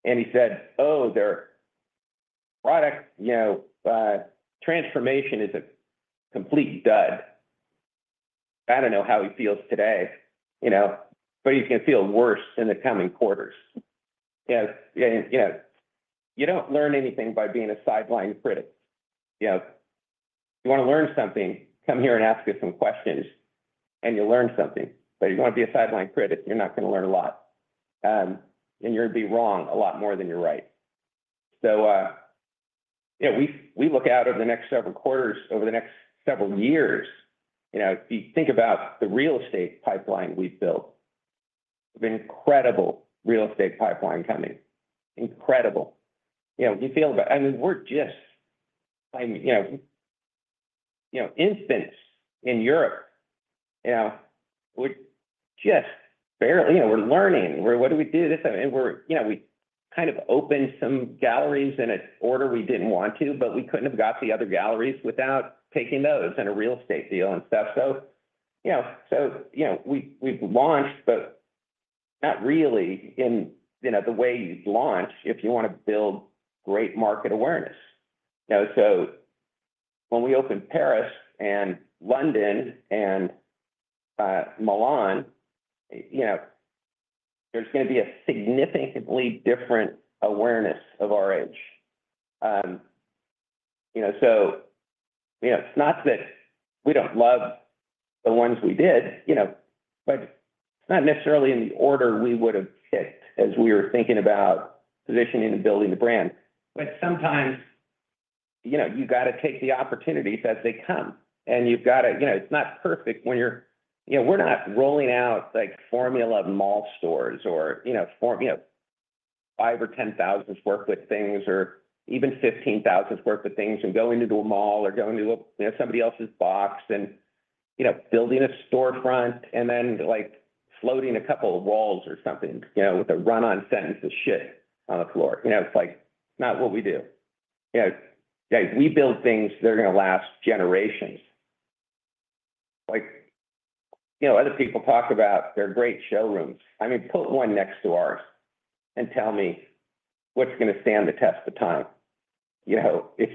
and he said, "Oh, their product, you know, transformation is a complete dud." I don't know how he feels today, you know, but he's gonna feel worse in the coming quarters. You know, yeah, you don't learn anything by being a sideline critic. You know, you want to learn something, come here and ask us some questions, and you'll learn something. But you want to be a sideline critic, you're not going to learn a lot, and you're going to be wrong a lot more than you're right. So, yeah, we look out over the next several quarters, over the next several years, you know, if you think about the real estate pipeline we've built, an incredible real estate pipeline coming. Incredible. You know, you feel, and we're just, I mean, you know, infants in Europe. You know, we're just barely, you know, we're learning, what do we do this, and we're, you know, we kind of opened some galleries in an order we didn't want to, but we couldn't have got the other galleries without taking those in a real estate deal and stuff. So, you know, we've launched, but not really in, you know, the way you'd launch if you want to build great market awareness. You know, so when we open Paris and London and Milan, you know, there's going to be a significantly different awareness of RH. You know, so, you know, it's not that we don't love the ones we did, you know, but it's not necessarily in the order we would have picked as we were thinking about positioning and building the brand, but sometimes, you know, you got to take the opportunities as they come, and you've got to... You know, it's not perfect when you know, we're not rolling out, like, formula mall stores or, you know, format, you know, 5 or 10 thousand sq ft things, or even 15 thousand sq ft things and going into a mall or going to, you know, somebody else's box and, you know, building a storefront and then, like, floating a couple of walls or something, you know, with a run-on sentence of shit on the floor. You know, it's like, not what we do. You know, we build things that are going to last generations. Like, you know, other people talk about their great showrooms. I mean, put one next to ours and tell me what's gonna stand the test of time. You know, it's,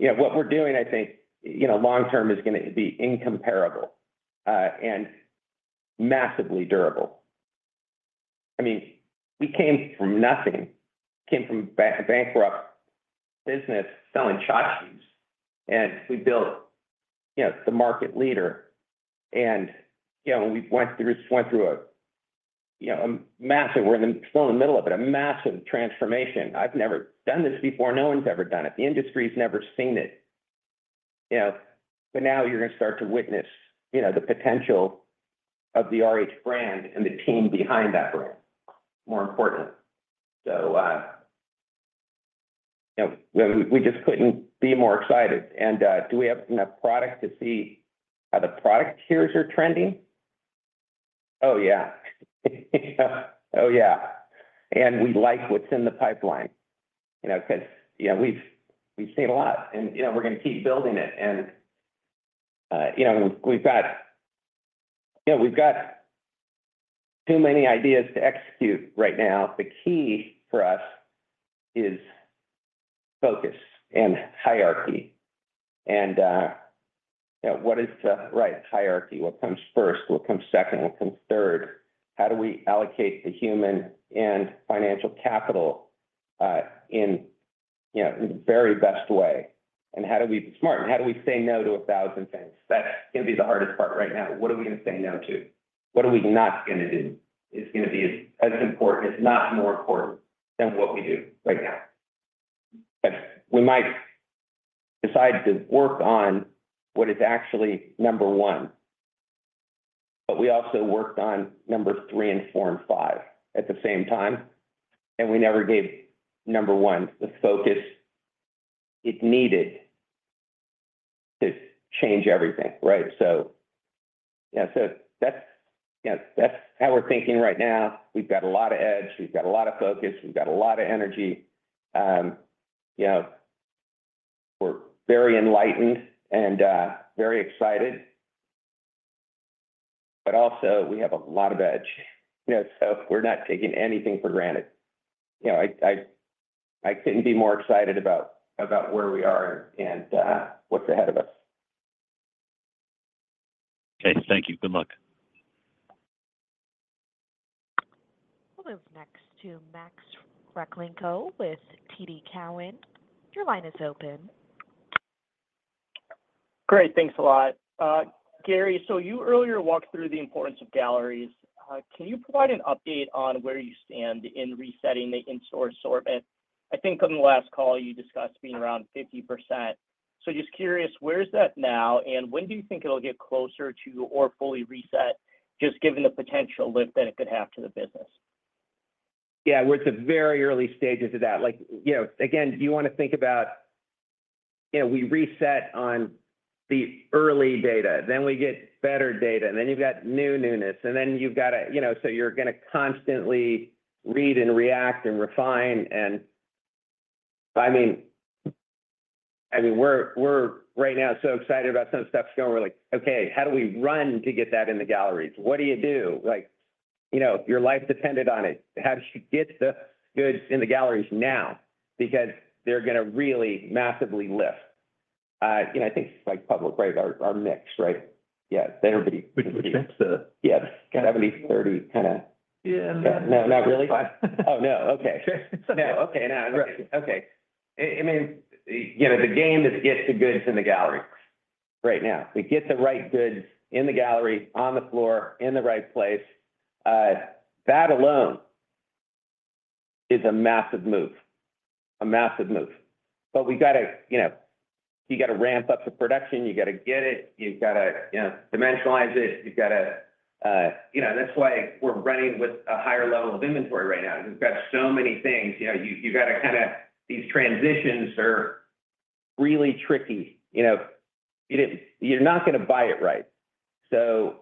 you know, what we're doing, I think, you know, long term is gonna be incomparable and massively durable. I mean, we came from nothing, came from a bankrupt business selling tchotchkes, and we built, you know, the market leader, and you know, we went through a massive transformation. We're still in the middle of it. I've never done this before. No one's ever done it. The industry's never seen it, you know? But now you're gonna start to witness, you know, the potential of the RH brand and the team behind that brand, more importantly. So, you know, we just couldn't be more excited. Do we have enough product to see how the product tiers are trending? Oh, yeah. Oh, yeah, and we like what's in the pipeline, you know, because, you know, we've seen a lot, and, you know, we're gonna keep building it. You know, we've got, you know, we've got too many ideas to execute right now. The key for us is focus and hierarchy, and, you know, hierarchy. What comes first? What comes second? What comes third? How do we allocate the human and financial capital, in, you know, the very best way? And how do we be smart? And how do we say no to a thousand things? That's gonna be the hardest part right now. What are we gonna say no to? What are we not gonna do, is gonna be as important, if not more important, than what we do right now. We might decide to work on what is actually number one, but we also worked on number three and four and five at the same time, and we never gave number one the focus it needed to change everything, right? So, yeah, so that's. Yeah, that's how we're thinking right now. We've got a lot of edge, we've got a lot of focus, we've got a lot of energy. You know, we're very enlightened and very excited, but also we have a lot of edge. You know, so we're not taking anything for granted. You know, I couldn't be more excited about where we are and what's ahead of us. Okay. Thank you. Good luck. We'll move next to Max Rakhlenko with TD Cowen. Your line is open. Great. Thanks a lot. Gary, so you earlier walked through the importance of galleries. Can you provide an update on where you stand in resetting the in-store assortment? I think on the last call, you discussed being around 50%. So just curious, where is that now, and when do you think it'll get closer to or fully reset, just given the potential lift that it could have to the business? Yeah, we're at the very early stages of that. Like, you know, again, you wanna think about, you know, we reset on the early data, then we get better data, and then you've got new newness, and then you've got to, you know. So you're gonna constantly read and react and refine. And, I mean, we're right now so excited about some stuff going, we're like, "Okay, how do we run to get that in the galleries? What do you do?" Like, you know, your life depended on it. How do you get the goods in the galleries now? Because they're gonna really massively lift. You know, I think, like, public, right, our mix, right? Yeah, everybody- Which mix? Yeah. 70/30, kinda. Yeah. No, not really? Oh, no. Okay. No. Okay, now, right. Okay. I mean, you know, the game is get the goods in the gallery right now. To get the right goods in the gallery, on the floor, in the right place, that alone is a massive move, a massive move. But we gotta, you know, you gotta ramp up the production, you gotta get it, you gotta, you know, dimensionalize it, you gotta... You know, that's why we're running with a higher level of inventory right now. We've got so many things. You know, you gotta kinda these transitions are really tricky. You know, you, you're not gonna buy it right, so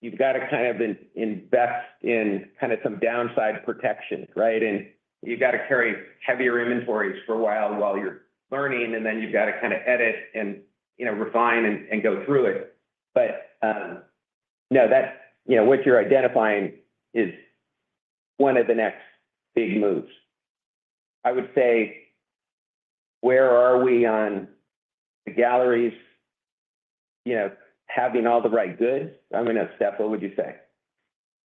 you've gotta kind of invest in kinda some downside protection, right? And you've gotta carry heavier inventories for a while, while you're learning, and then you've gotta kinda edit and, you know, refine and go through it. But, no, that's, you know, what you're identifying is one of the next big moves. I would say, where are we on the galleries, you know, having all the right goods? I mean, Stef, what would you say?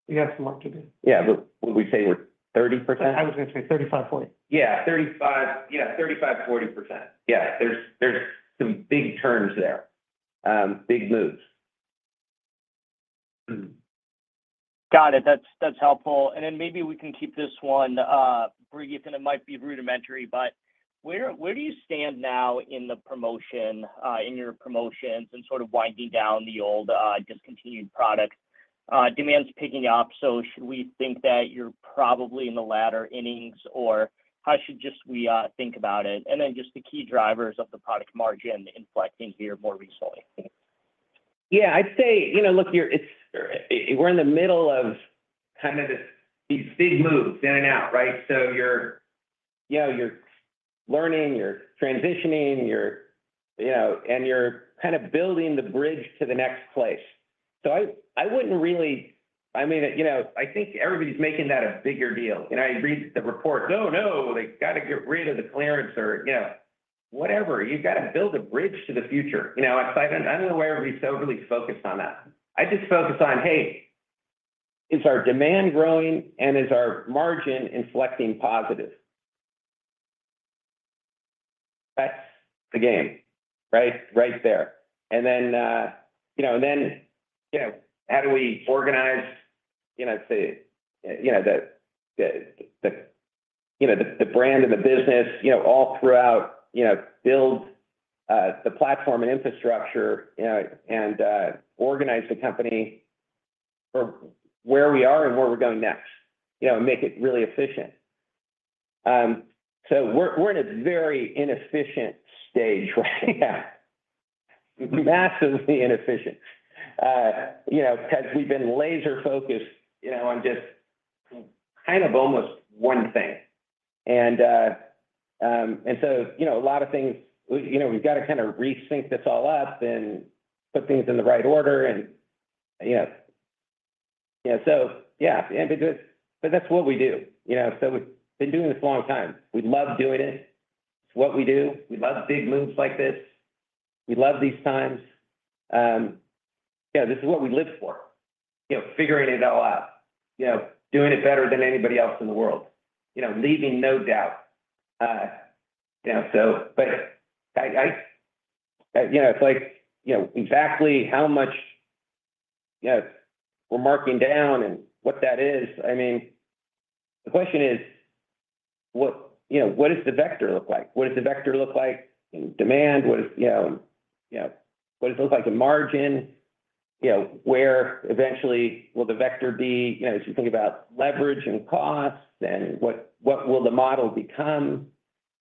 We have some work to do. Yeah, but would we say we're 30%? I was gonna say thirty-five, forty. Yeah, 35. Yeah, 35, 40%. Yeah, there's some big turns there, big moves. Got it. That's, that's helpful. And then maybe we can keep this one brief, and it might be rudimentary, but where do you stand now in the promotion in your promotions and sort of winding down the old discontinued product? Demand's picking up, so should we think that you're probably in the latter innings, or how should just we think about it? And then just the key drivers of the product margin inflecting here more recently. Yeah, I'd say, you know, look, you're, we're in the middle of kind of this, these big moves in and out, right? So you're, you know, you're learning, you're transitioning, you're, you know, and you're kind of building the bridge to the next place. So I, I wouldn't really- I mean, you know, I think everybody's making that a bigger deal. And I read the report, "No, no, they've got to get rid of the clearance," or, you know, whatever. You've got to build a bridge to the future, you know? I, I don't know why everybody's so really focused on that. I just focus on, hey, is our demand growing, and is our margin inflecting positive? That's the game, right, right there. And then, you know, and then, you know, how do we organize, you know, say, you know, the brand and the business, you know, all throughout, you know, build the platform and infrastructure, you know, and organize the company for where we are and where we're going next, you know, and make it really efficient. So we're in a very inefficient stage right now. Massively inefficient, you know, because we've been laser-focused, you know, on just kind of almost one thing. And so, you know, a lot of things, you know, we've got to kind of rethink this all up and put things in the right order and, you know. Yeah, so, yeah, but that's what we do. You know, so we've been doing this a long time. We love doing it. It's what we do. We love big moves like this. We love these times. Yeah, this is what we live for, you know, figuring it all out, you know, doing it better than anybody else in the world, you know, leaving no doubt. You know, so but. You know, it's like, you know exactly how much, you know, we're marking down and what that is. I mean, the question is, what, you know, what does the vector look like? What does the vector look like in demand? What does, you know, you know, what does it look like in margin? You know, where eventually will the vector be? You know, as you think about leverage and costs, and what, what will the model become?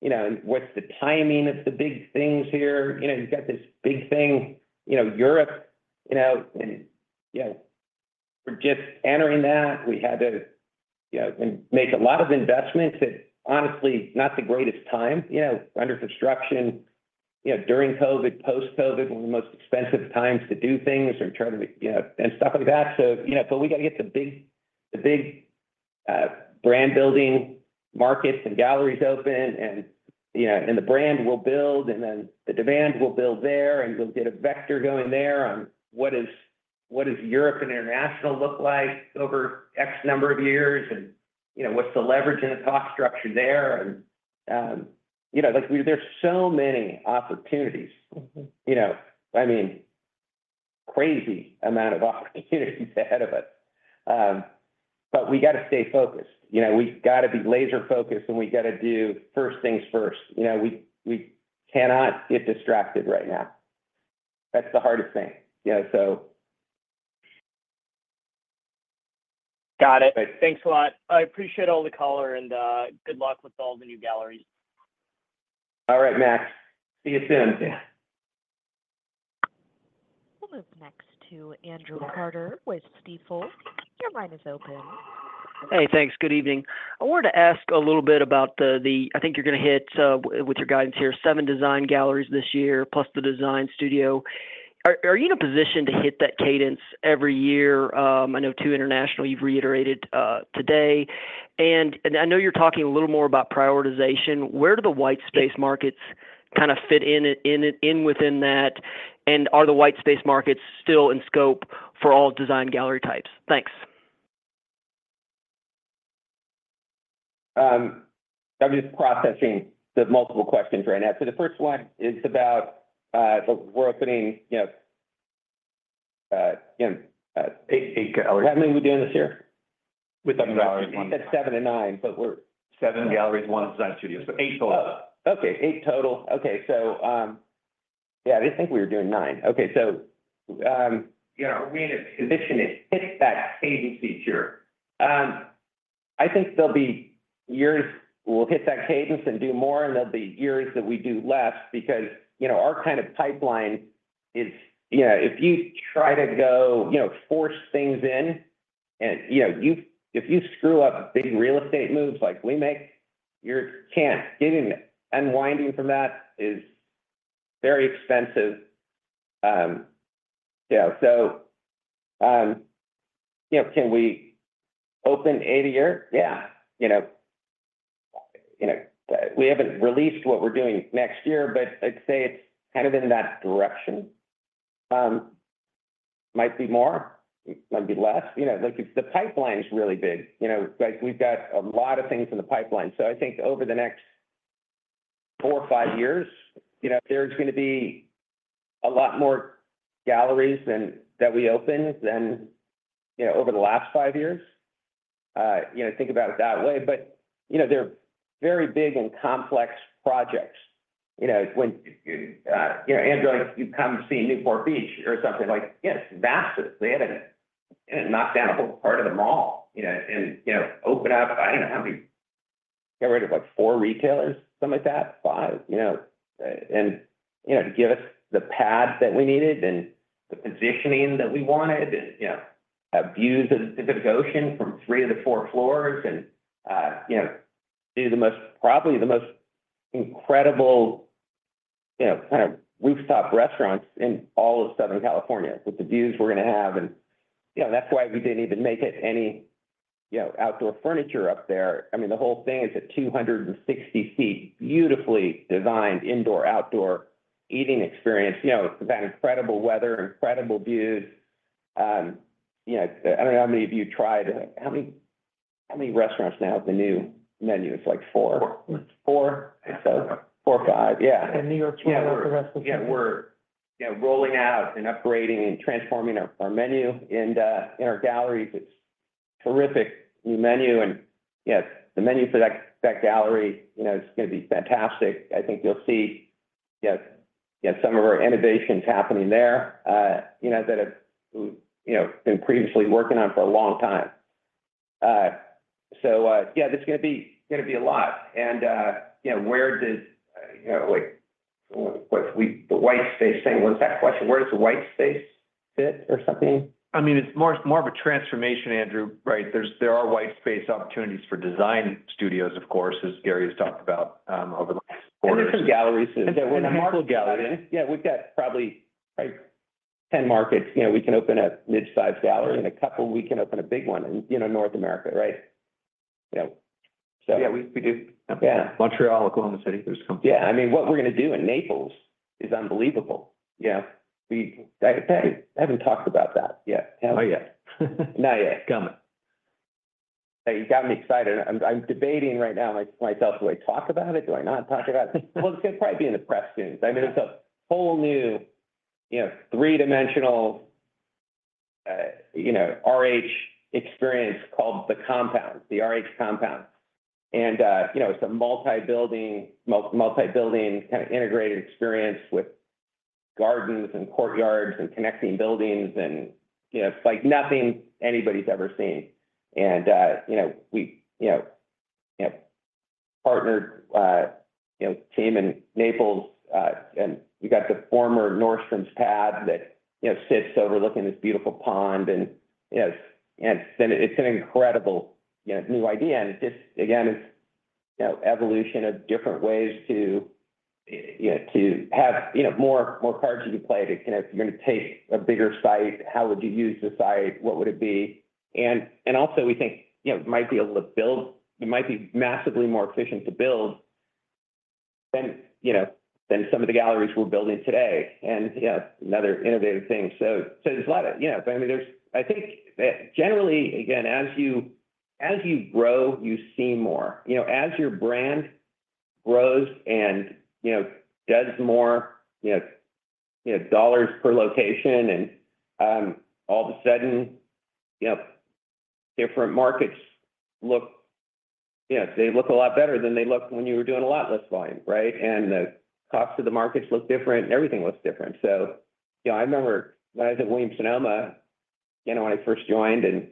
You know, and what's the timing of the big things here? You know, you've got this big thing, you know, Europe, you know, and, you know, we're just entering that. We had to, you know, make a lot of investments that honestly, not the greatest time, you know, under construction, you know, during COVID, post-COVID, one of the most expensive times to do things and try to, you know, and stuff like that. So, you know, but we got to get the big brand building markets and galleries open and, you know, and the brand will build, and then the demand will build there, and we'll get a vector going there on what is, what does Europe and international look like over X number of years? And, you know, what's the leverage and the cost structure there? And, you know, like, there's so many opportunities. You know, I mean, crazy amount of opportunities ahead of us. But we got to stay focused. You know, we've got to be laser-focused, and we got to do first things first. You know, we cannot get distracted right now. That's the hardest thing, you know, so. Got it. Thanks a lot. I appreciate all the color, and good luck with all the new galleries. All right, Max. See you soon. We'll move next to Andrew Carter with Stifel. Your line is open. Hey, thanks. Good evening. I wanted to ask a little bit about the I think you're going to hit with your guidance here, seven Design Galleries this year, plus the Design Studio. Are you in a position to hit that cadence every year? I know two international you've reiterated today, and I know you're talking a little more about prioritization. Where do the white space markets kind of fit in within that? And are the white space markets still in scope for all design gallery types? Thanks. I'm just processing the multiple questions right now. So the first one is about, we're opening, you know, eight, eight galleries. How many are we doing this year? Seven galleries. You said seven to nine, but seven galleries, one Design Studio, so eight total. Okay, eight total. Okay. So, yeah, I didn't think we were doing nine. Okay, so, you know, are we in a position to hit that cadence each year? I think there'll be years we'll hit that cadence and do more, and there'll be years that we do less because, you know, our kind of pipeline is, you know, if you try to go, you know, force things in and, you know, if you screw up big real estate moves like we make, you can't. Getting unwinding from that is very expensive. You know, so, you know, can we open eight a year? Yeah. You know, you know, we haven't released what we're doing next year, but I'd say it's kind of in that direction. Might be more, might be less, you know, like, the pipeline is really big. You know, like we've got a lot of things in the pipeline. So I think over the next four or five years, you know, there's going to be a lot more galleries than that we open than, you know, over the last five years. You know, think about it that way. But, you know, they're very big and complex projects. You know, when, you know, and if you come to see Newport Beach or something like, it's massive. They had to knock down a whole part of the mall, you know, and, you know, open up, I don't know how many. Got rid of, like, four retailers, something like that, five, you know, and, you know, to give us the pad that we needed and the positioning that we wanted, and have views of the Pacific Ocean from three of the four floors, and you know, these are the most, probably the most incredible, you know, kind of rooftop restaurants in all of Southern California with the views we're gonna have. And you know, that's why we didn't even make it any, you know, outdoor furniture up there. I mean, the whole thing is at two hundred and sixty feet, beautifully designed indoor-outdoor eating experience. You know, it's about incredible weather, incredible views. You know, I don't know how many of you tried... How many, how many restaurants now have the new menu? It's like four. Four. Four? So four or five. Yeah. And New York- Yeah. The rest of them. Yeah, we're, you know, rolling out and upgrading and transforming our, our menu. And in our galleries, it's a terrific new menu, and, yes, the menu for that, that gallery, you know, it's gonna be fantastic. I think you'll see, you know, yeah, some of our innovations happening there, you know, that have, you know, been previously working on for a long time. So, yeah, there's gonna be a lot. And, you know, where did, you know, like, the white space thing, what was that question? Where does the white space fit or something? I mean, it's more of a transformation, Andrew, right? There are white space opportunities for Design Studios, of course, as Gary has talked about over the last quarters. Different galleries, and multiple galleries. Yeah, we've got probably, like, ten markets. You know, we can open a mid-sized gallery, and a couple. We can open a big one in, you know, North America, right? Yeah. Yeah, we do. Yeah. Montreal, Oklahoma City, there's a couple. Yeah. I mean, what we're gonna do in Naples is unbelievable. Yeah. I haven't talked about that yet, have I? Not yet. Not yet. Coming. Hey, you got me excited. I'm debating right now, like, myself, do I talk about it? Do I not talk about it? Well, it's gonna probably be in the press soon. I mean, it's a whole new, you know, three-dimensional, you know, RH experience called the Compound, the RH Compound. And, you know, it's a multi-building, multi-building, kind of integrated experience with gardens and courtyards and connecting buildings, and, you know, it's like nothing anybody's ever seen. And, you know, we, you know, you know, partnered, you know, team in Naples, and we got the former Nordstrom pad that, you know, sits overlooking this beautiful pond. Yes, and it's an incredible, you know, new idea, and it just, again, it's, you know, evolution of different ways to, you know, to have, you know, more cards you can play to kind of. You're gonna take a bigger site, how would you use the site? What would it be? And also, we think, you know, it might be able to build. It might be massively more efficient to build than, you know, than some of the galleries we're building today. And, you know, another innovative thing. So there's a lot of. You know, but I mean, there's. I think that generally, again, as you grow, you see more. You know, as your brand grows and, you know, does more, you know, dollars per location, and all of a sudden, you know, different markets look. You know, they look a lot better than they looked when you were doing a lot less volume, right? And the cost of the materials look different, and everything looks different. So, you know, I remember when I was at Williams-Sonoma, you know, when I first joined, and,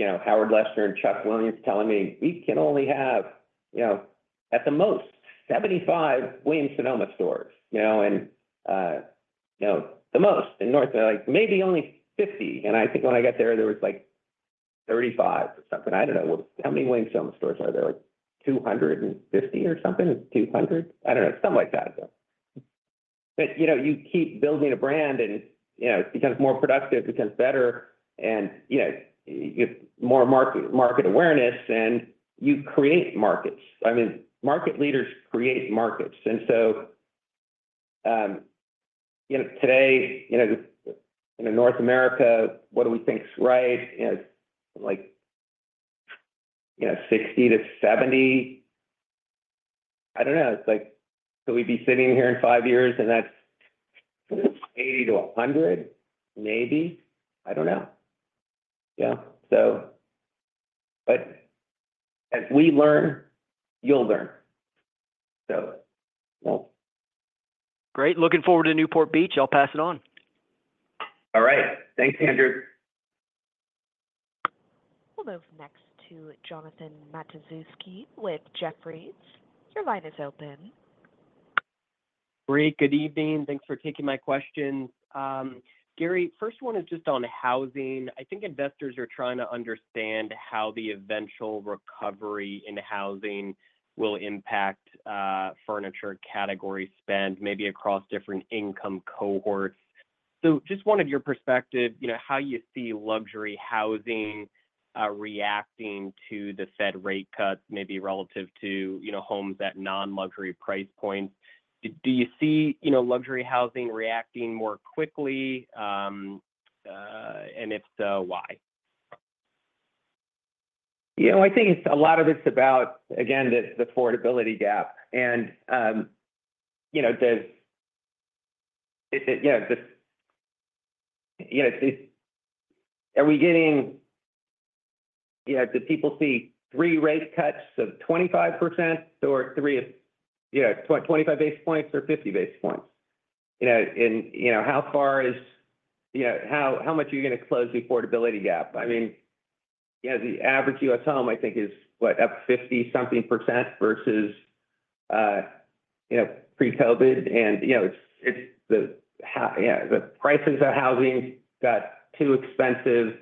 you know, Howard Lester and Chuck Williams telling me, "We can only have, you know, at the most, 75 Williams-Sonoma stores," you know? And, you know, the most in North America, like maybe only 50. And I think when I got there, there was, like, 35 or something. I don't know. Well, how many Williams-Sonoma stores are there? Like, 250 or something? Is it 200? I don't know, something like that, though. But you know, you keep building a brand, and you know, it becomes more productive, becomes better, and you know, you get more market awareness, and you create markets. I mean, market leaders create markets. And so, you know, today, you know, in North America, what do we think is right? You know, like, you know, sixty to seventy. I don't know. It's like, will we be sitting here in five years, and that's eighty to a hundred? Maybe. I don't know. Yeah. So. But as we learn, you'll learn. So, well. Great. Looking forward to Newport Beach. I'll pass it on. All right. Thanks, Andrew. We'll move next to Jonathan Matuszewski with Jefferies. Your line is open. Great. Good evening. Thanks for taking my questions. Gary, first one is just on housing. I think investors are trying to understand how the eventual recovery in housing will impact, furniture category spend, maybe across different income cohorts. So just wanted your perspective, you know, how you see luxury housing, reacting to the Fed rate cuts, maybe relative to, you know, homes at non-luxury price points. Do you see, you know, luxury housing reacting more quickly? And if so, why? You know, I think it's a lot of it's about, again, the affordability gap. And you know, it. You know. You know, it's, are we getting. You know, do people see three rate cuts of 25% or three of 25 basis points or 50 basis points? You know, and you know, how far is. You know, how much are you gonna close the affordability gap? I mean, yeah, the average U.S. home, I think, is what? Up 50-something% versus pre-COVID. And you know, it's yeah, the prices of housing got too expensive,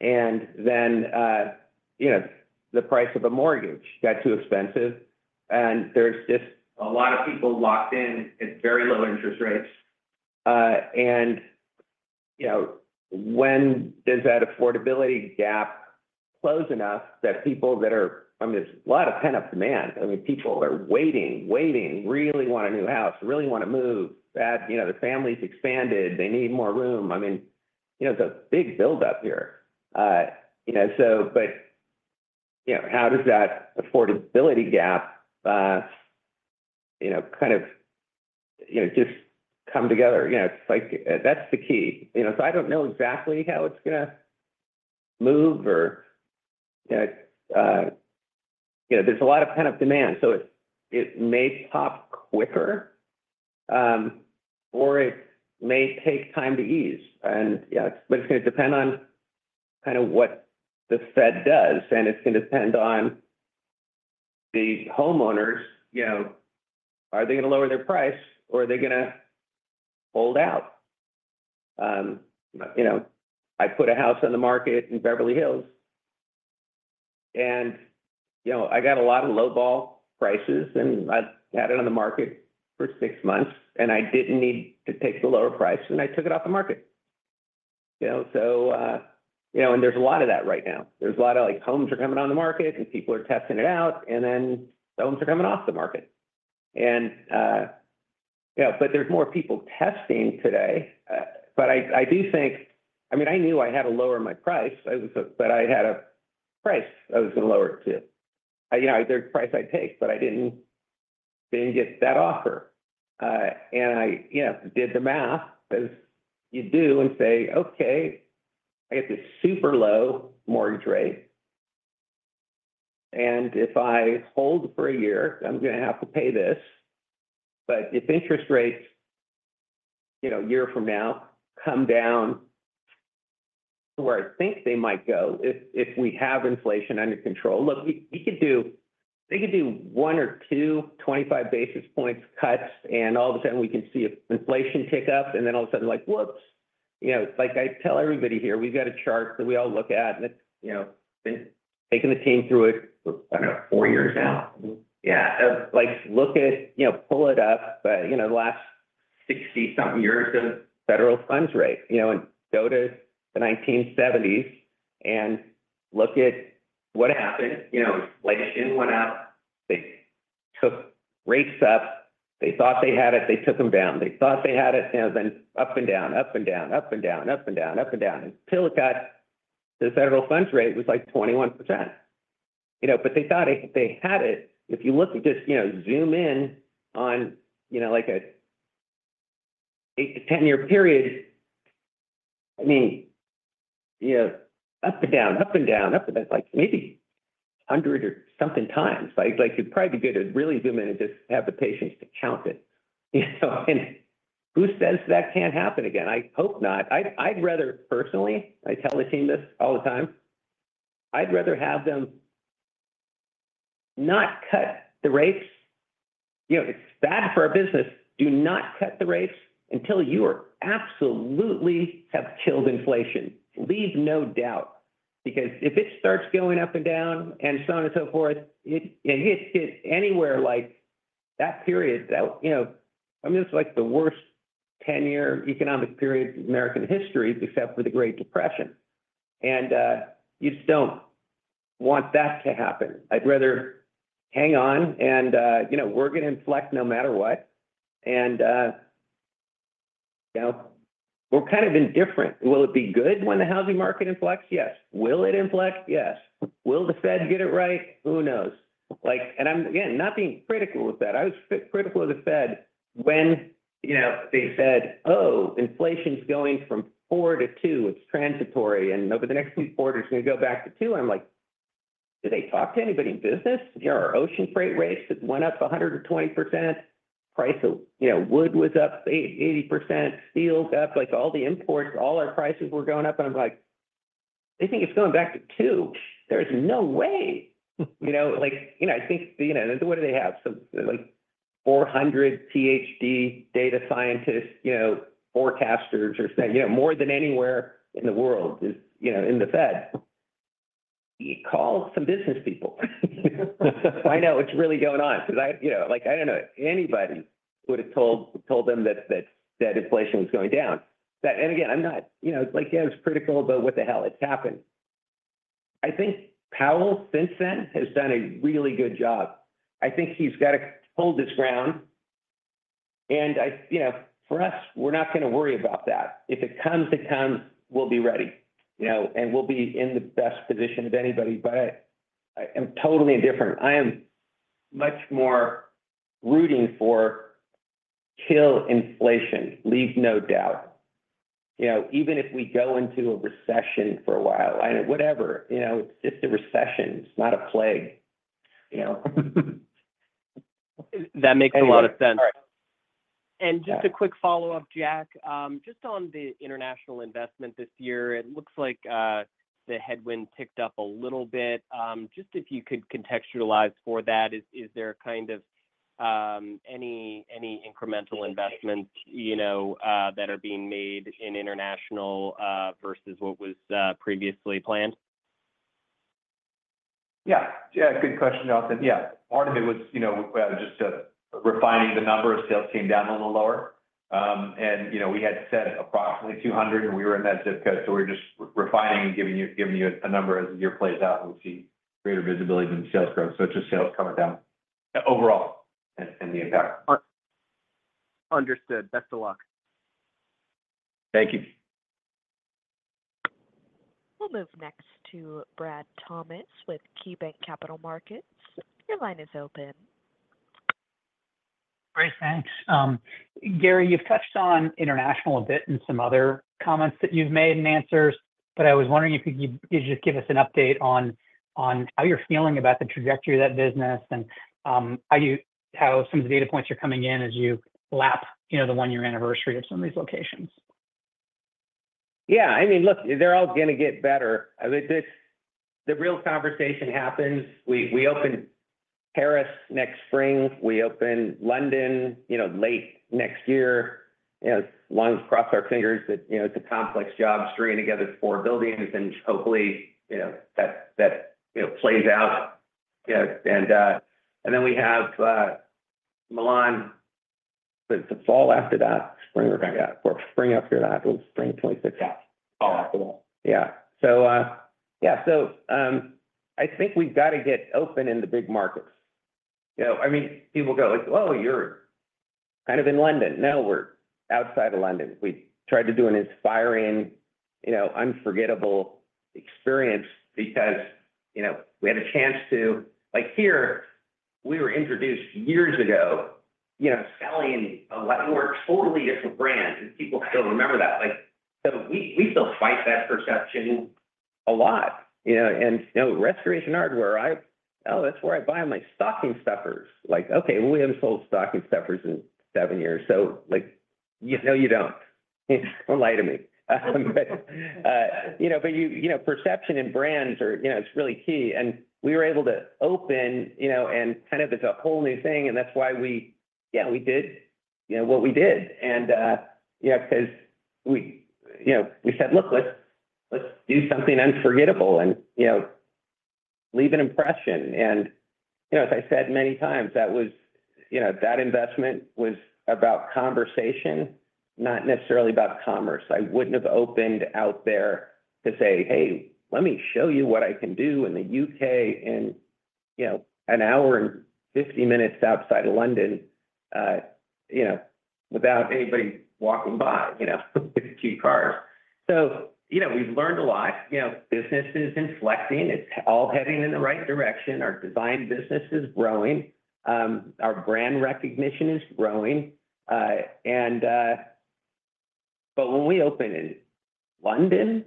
and then you know, the price of a mortgage got too expensive, and there's just a lot of people locked in at very low interest rates. And you know, when does that affordability gap close enough that people that are... I mean, there's a lot of pent-up demand. I mean, people are waiting, really want a new house, really wanna move. That, you know, their family's expanded, they need more room. I mean, you know, it's a big build-up here. You know, so, but, you know, how does that affordability gap, you know, kind of, you know, just come together? You know, it's like, that's the key. You know, so I don't know exactly how it's gonna move or, you know, there's a lot of pent-up demand, so it may pop quicker, or it may take time to ease, and yeah, but it's gonna depend on kinda what the Fed does, and it's gonna depend on the homeowners. You know, are they gonna lower their price, or are they gonna hold out? You know, I put a house on the market in Beverly Hills, and, you know, I got a lot of lowball prices, and I had it on the market for six months, and I didn't need to take the lower price, and I took it off the market. You know, so, you know, and there's a lot of that right now. There's a lot of, like, homes are coming on the market, and people are testing it out, and then the homes are coming off the market. And, you know, but there's more people testing today. But I do think... I mean, I knew I had to lower my price. I was, but I had a price I was gonna lower it to. You know, there's a price I'd take, but I didn't get that offer, and I, you know, did the math, as you do, and say, "Okay, I get this super low mortgage rate, and if I hold for a year, I'm gonna have to pay this. But if interest rates, you know, a year from now, come down to where I think they might go, if we have inflation under control..." Look, they could do one or two twenty-five basis points cuts, and all of a sudden we can see inflation tick up, and then all of a sudden, like, whoops! You know, like I tell everybody here, we've got a chart that we all look at, and it's, you know, been taking the team through it for about four years now. Yeah. Like, look at, you know, pull it up, but you know, the last sixty-something years of Federal Funds Rate, you know, and go to the 1970s and look at what happened. You know, inflation went up, they took rates up. They thought they had it, they took them down. They thought they had it, you know, then up and down, up and down, up and down, up and down, up and down. Until it got... The Federal Funds Rate was, like, 21%. You know, but they thought they, they had it. If you look at just, you know, zoom in on, you know, like an eight to ten-year period, I mean, you know, up and down, up and down, up and down, like maybe a hundred or something times. Like, like, you'd probably be good to really zoom in and just have the patience to count it. You know, and who says that can't happen again? I hope not. I'd rather... Personally, I tell the team this all the time, I'd rather have them not cut the rates. You know, it's bad for our business. Do not cut the rates until you are absolutely have killed inflation. Leave no doubt, because if it starts going up and down, and so on and so forth, it hits it anywhere like that period. That, you know, I mean, it's like the worst ten-year economic period in American history, except for the Great Depression. You just don't want that to happen. I'd rather hang on and, you know, we're gonna inflect no matter what. You know, we're kind of indifferent. Will it be good when the housing market inflects? Yes. Will it inflect? Yes. Will the Fed get it right? Who knows. Like, and I'm, again, not being critical of the Fed. I was critical of the Fed when, you know, they said, "Oh, inflation's going from 4% to 2%. It's transitory, and over the next few quarters, it's gonna go back to 2%." I'm like, "Do they talk to anybody in business?" You know, our ocean freight rates went up 120%. Price of, you know, wood was up 80%. Steel was up. Like, all the imports, all our prices were going up, and I'm like: They think it's going back to 2%? There's no way. You know, like, you know, I think, you know, what do they have? Some, like, four hundred PhD data scientists, you know, forecasters are saying, you know, more than anywhere in the world is, you know, in the Fed. Call some business people. Find out what's really going on, 'cause I, you know, like, I don't know anybody who would have told them that inflation was going down. That, and again, I'm not, you know, like, yeah, I was critical, but what the hell? It's happened. I think Powell since then has done a really good job. I think he's got to hold his ground, and I... You know, for us, we're not gonna worry about that. If it comes, it comes, we'll be ready. You know, and we'll be in the best position of anybody, but I, I am totally indifferent. I am much more rooting for kill inflation. Leave no doubt. You know, even if we go into a recession for a while, and whatever, you know, it's just a recession. It's not a plague, you know?... That makes a lot of sense. And just a quick follow-up, Jack, just on the international investment this year, it looks like, the headwind picked up a little bit. Just if you could contextualize for that, is there kind of, any incremental investments, you know, that are being made in international, versus what was, previously planned? Yeah. Yeah, good question, Jonathan. Yeah. Part of it was, you know, just refining the number of sales came down a little lower. And, you know, we had said approximately 200, and we were in that zip code, so we're just refining and giving you, giving you a number as the year plays out, and we see greater visibility than sales growth. So it's just sales coming down overall and, and the impact. Understood. Best of luck. Thank you. We'll move next to Brad Thomas with KeyBank Capital Markets. Your line is open. Great, thanks. Gary, you've touched on international a bit in some other comments that you've made in answers, but I was wondering if you could just give us an update on how you're feeling about the trajectory of that business and how some of the data points are coming in as you lap, you know, the one-year anniversary of some of these locations. Yeah, I mean, look, they're all going to get better. Like, this- the real conversation happens. We open Paris next spring. We open London, you know, late next year. You know, as long as cross our fingers that, you know, it's a complex job stringing together four buildings, and hopefully, you know, that plays out. Yeah, and then we have Milan. It's the fall after that. Spring or... Yeah. Or spring after that. Spring 2026. Yeah. Fall after that. Yeah. So, I think we've got to get open in the big markets. You know, I mean, people go like, "Oh, you're kind of in London." No, we're outside of London. We tried to do an inspiring, you know, unforgettable experience because, you know, we had a chance to... Like, here, we were introduced years ago, you know, selling a lot more totally different brand, and people still remember that. Like, so we still fight that perception a lot, you know? And, you know, Restoration Hardware, I, "Oh, that's where I buy my stocking stuffers." Like, okay, well, we haven't sold stocking stuffers in seven years, so like, you know, you don't. Don't lie to me. But you know, but you, you know, perception and brands are, you know, it's really key, and we were able to open, you know, and kind of it's a whole new thing, and that's why we, yeah, we did, you know, what we did. And, you know, because we, you know, we said, "Look, let's, let's do something unforgettable and, you know, leave an impression." And, you know, as I said many times, that was, you know, that investment was about conversation, not necessarily about commerce. I wouldn't have opened out there to say, "Hey, let me show you what I can do in the UK," and, you know, an hour and fifty minutes outside of London, you know, without anybody walking by, you know, a few cars. So, you know, we've learned a lot. You know, business is inflecting. It's all heading in the right direction. Our design business is growing. Our brand recognition is growing. But when we open in London,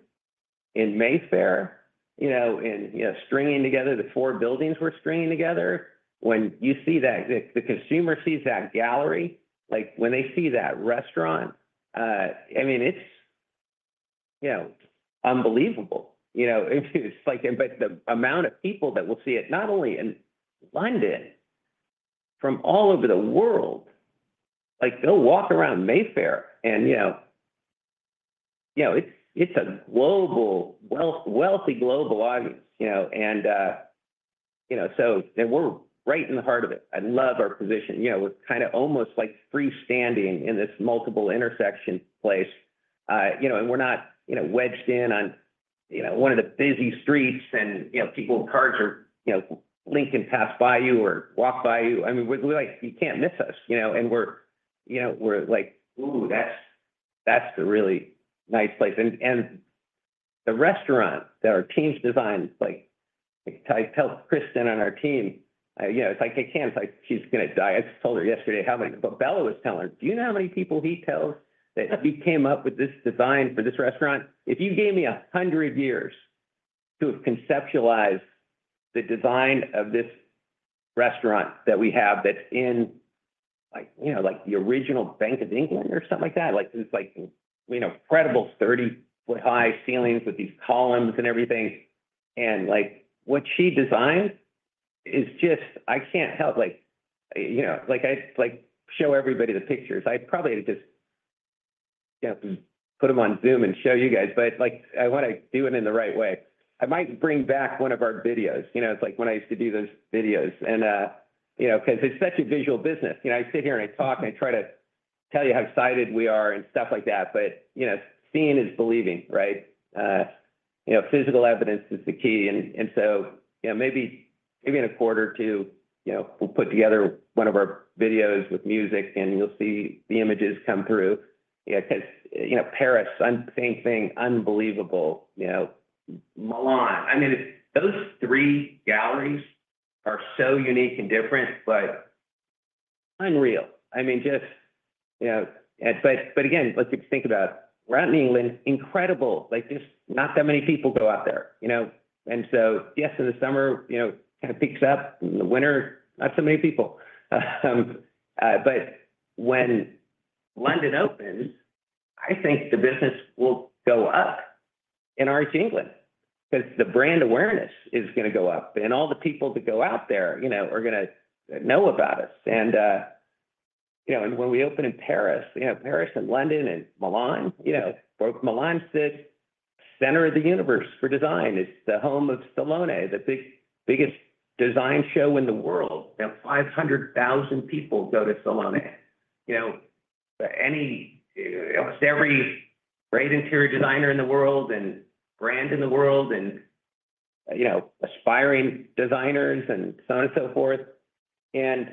in Mayfair, you know, and, you know, stringing together the four buildings, when you see that, the consumer sees that gallery, like when they see that restaurant, I mean, it's, you know, unbelievable. You know, it's like, but the amount of people that will see it, not only in London, from all over the world, like, they'll walk around Mayfair and, you know, it's a global, wealthy global audience, you know. And, you know, so, and we're right in the heart of it. I love our position. You know, we're kind of almost like freestanding in this multiple intersection place. you know, and we're not, you know, wedged in on, you know, one of the busy streets, and, you know, people, cars are, you know, blinking past by you or walk by you. I mean, we're like, you can't miss us, you know, and we're, you know, we're like, "Ooh, that's, that's a really nice place." And, and the restaurant that our teams designed, like I tell Kerstin on our team, you know, it's like, I can't, like, she's gonna die. I just told her yesterday how many... Bella was telling her, "Do you know how many people he tells that we came up with this design for this restaurant?" If you gave me a hundred years to have conceptualized the design of this restaurant that we have, that's in, like, you know, like the original Bank of England or something like that, like, it's like, you know, incredible 30-foot-high ceilings with these columns and everything. And like, what she designed is just, I can't help, like, you know, like I, like, show everybody the pictures. I probably would just, you know, put them on Zoom and show you guys, but, like, I want to do it in the right way. I might bring back one of our videos. You know, it's like when I used to do those videos, and, you know, because it's such a visual business. You know, I sit here and I talk, and I try to tell you how excited we are and stuff like that, but, you know, seeing is believing, right? You know, physical evidence is the key, and so, you know, maybe, maybe in a quarter or two, you know, we'll put together one of our videos with music, and you'll see the images come through. Because, you know, Paris, same thing, unbelievable, you know. Milan, I mean, those three galleries are so unique and different, but unreal. I mean, you know, but again, let's just think about it. RH England, incredible! Like, just not that many people go out there, you know? And so, yes, in the summer, you know, kind of picks up. In the winter, not so many people. But when London opens, I think the business will go up in RH England, because the brand awareness is gonna go up, and all the people that go out there, you know, are gonna know about us. And, you know, and when we open in Paris, you know, Paris and London and Milan, you know, Milan's the center of the universe for design. It's the home of Salone, the biggest design show in the world. You know, 500,000 people go to Salone. You know, any, almost every great interior designer in the world, and brand in the world and, you know, aspiring designers and so on and so forth. And,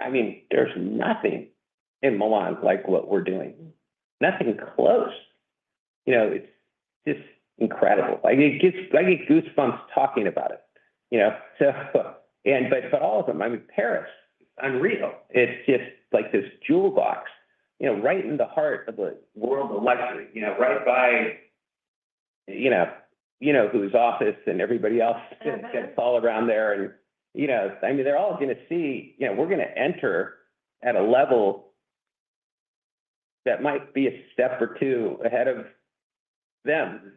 I mean, there's nothing in Milan like what we're doing. Nothing close. You know, it's just incredible. I get goosebumps talking about it, you know? All of them, I mean, Paris, it's unreal. It's just like this jewel box, you know, right in the heart of the world of luxury. You know, right by, you know, you-know-whose office and everybody else- Yeah. It's all around there, and, you know. I mean, they're all gonna see... You know, we're gonna enter at a level that might be a step or two ahead of them.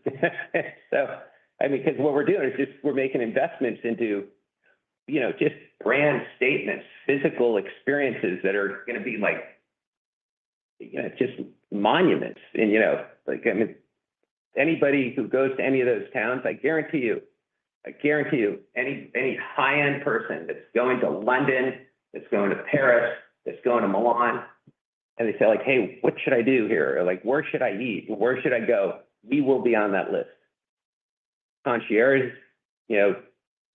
So, I mean, because what we're doing is just we're making investments into, you know, just brand statements, physical experiences that are gonna be like, just monuments. And, you know, like, I mean, anybody who goes to any of those towns, I guarantee you, I guarantee you, any, any high-end person that's going to London, that's going to Paris, that's going to Milan, and they say, like, "Hey, what should I do here?" Or like, "Where should I eat? Where should I go?" We will be on that list. Concierges, you know,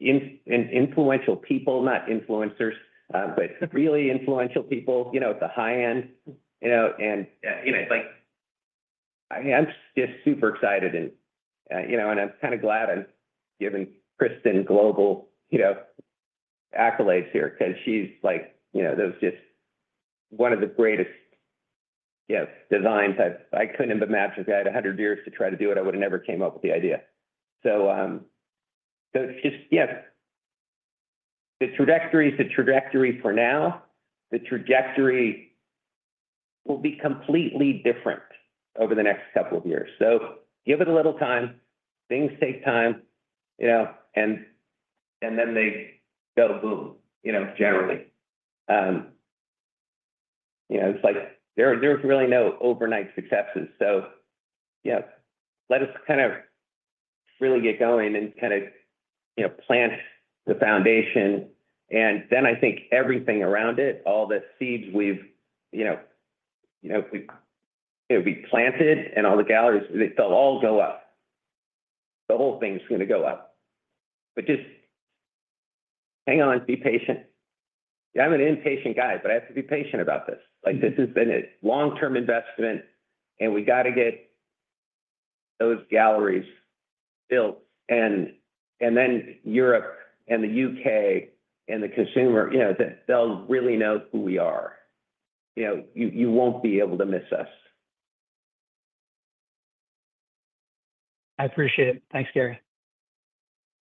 influential people, not influencers, but really influential people, you know, at the high end, you know. You know, it's like, I'm just super excited and, you know, and I'm kind of glad I'm giving Kristin global, you know, accolades here, 'cause she's like, you know, that was just one of the greatest, you know, designs I couldn't have imagined. If I had a hundred years to try to do it, I would have never came up with the idea. So, so it's just, yeah. The trajectory is the trajectory for now. The trajectory will be completely different over the next couple of years. So give it a little time. Things take time, you know, and, and then they go boom, you know, generally. You know, it's like there, there's really no overnight successes. So, yeah, let us kind of really get going and kind of, you know, plant the foundation, and then I think everything around it, all the seeds we've, you know, you know, we planted and all the galleries, they'll all go up. The whole thing's gonna go up. But just hang on, be patient. I'm an impatient guy, but I have to be patient about this. Like, this has been a long-term investment, and we got to get those galleries built, and then Europe and the U.S. and the consumer, you know, they'll really know who we are. You know, you won't be able to miss us. I appreciate it. Thanks, Gary.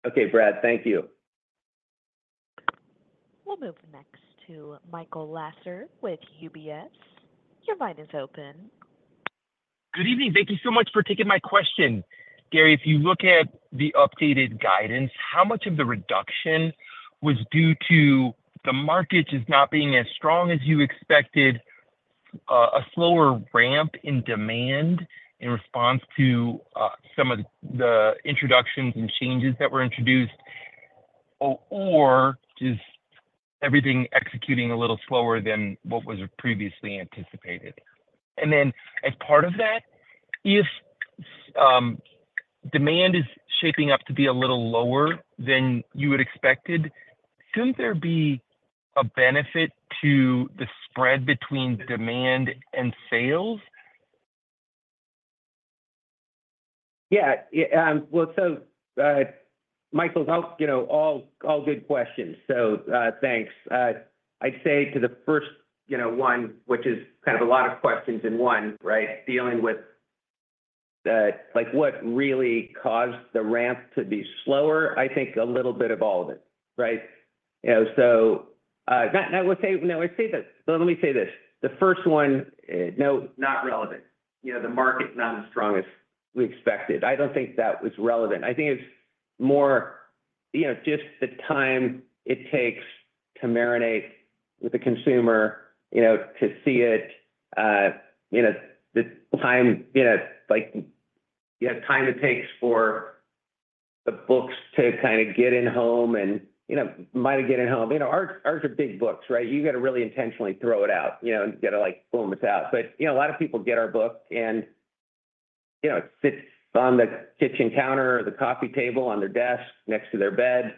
Okay, Brad, thank you. We'll move next to Michael Lasser with UBS. Your line is open. Good evening. Thank you so much for taking my question. Gary, if you look at the updated guidance, how much of the reduction was due to the markets just not being as strong as you expected, a slower ramp in demand in response to some of the introductions and changes that were introduced, or just everything executing a little slower than what was previously anticipated? And then as part of that, if demand is shaping up to be a little lower than you had expected, shouldn't there be a benefit to the spread between demand and sales? Yeah, yeah, well, so, Michael, those, you know, all good questions. So, thanks. I'd say to the first, you know, one, which is kind of a lot of questions in one, right? Dealing with, like, what really caused the ramp to be slower. I think a little bit of all of it, right? You know, so, no, I would say, no, I'd say this. So let me say this, the first one, no, not relevant. You know, the market is not as strong as we expected. I don't think that was relevant. I think it's more, you know, just the time it takes to marinate with the consumer, you know, to see it, you know, the time, you know, like, the time it takes for the books to kind of get in home and, you know, might have get in home. You know, ours, ours are big books, right? You got to really intentionally throw it out, you know, you got to, like, boom, it's out. But, you know, a lot of people get our book and, you know, it sits on the kitchen counter, or the coffee table, on their desk, next to their bed,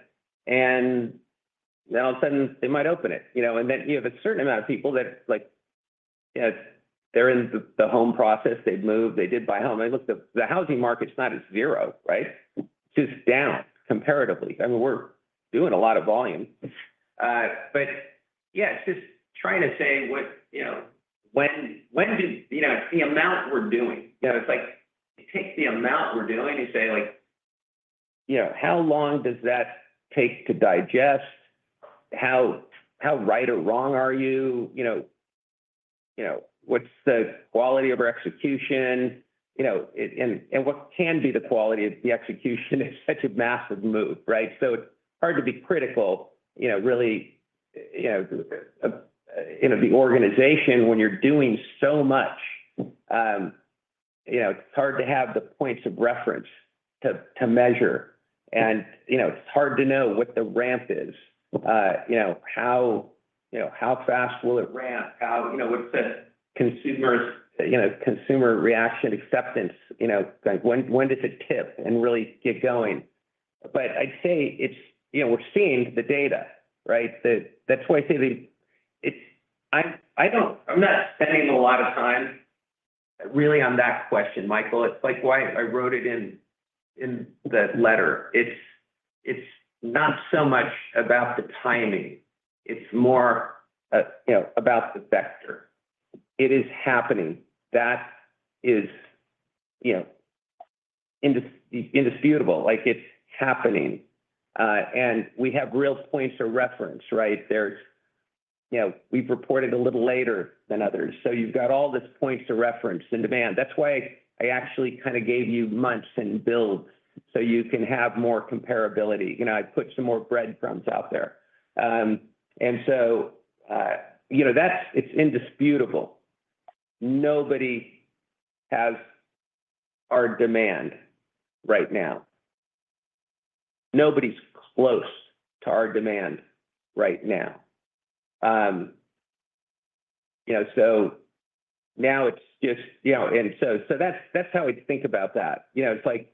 and all of a sudden, they might open it, you know? And then you have a certain amount of people that Yeah, they're in the home process. They've moved, they did buy a home. I mean, look, the housing market's not at zero, right? Just down comparatively. I mean, we're doing a lot of volume. But yeah, it's just trying to say what, you know, when did, you know, the amount we're doing? You know, it's like take the amount we're doing and say, like, you know, how long does that take to digest? How right or wrong are you? You know, what's the quality of our execution? You know, and what can be the quality of the execution in such a massive move, right? So it's hard to be critical, you know, really, you know, the organization when you're doing so much. You know, it's hard to have the points of reference to measure. And, you know, it's hard to know what the ramp is. You know, how fast will it ramp? How... You know, what's the consumer's, you know, consumer reaction, acceptance, you know, like when does it tip and really get going? But I'd say it's, you know, we're seeing the data, right? That's why I say it's. I don't spend a lot of time really on that question, Michael. It's like why I wrote it in the letter. It's not so much about the timing, it's more, you know, about the vector. It is happening. That is, you know, indisputable, like it's happening. And we have real points of reference, right? You know, we've reported a little later than others, so you've got all these points of reference and demand. That's why I actually kind of gave you months and builds so you can have more comparability. You know, I put some more breadcrumbs out there. And so, you know, it's indisputable. Nobody has our demand right now. Nobody's close to our demand right now. You know, so now it's just... You know, and so that's how I think about that. You know, it's like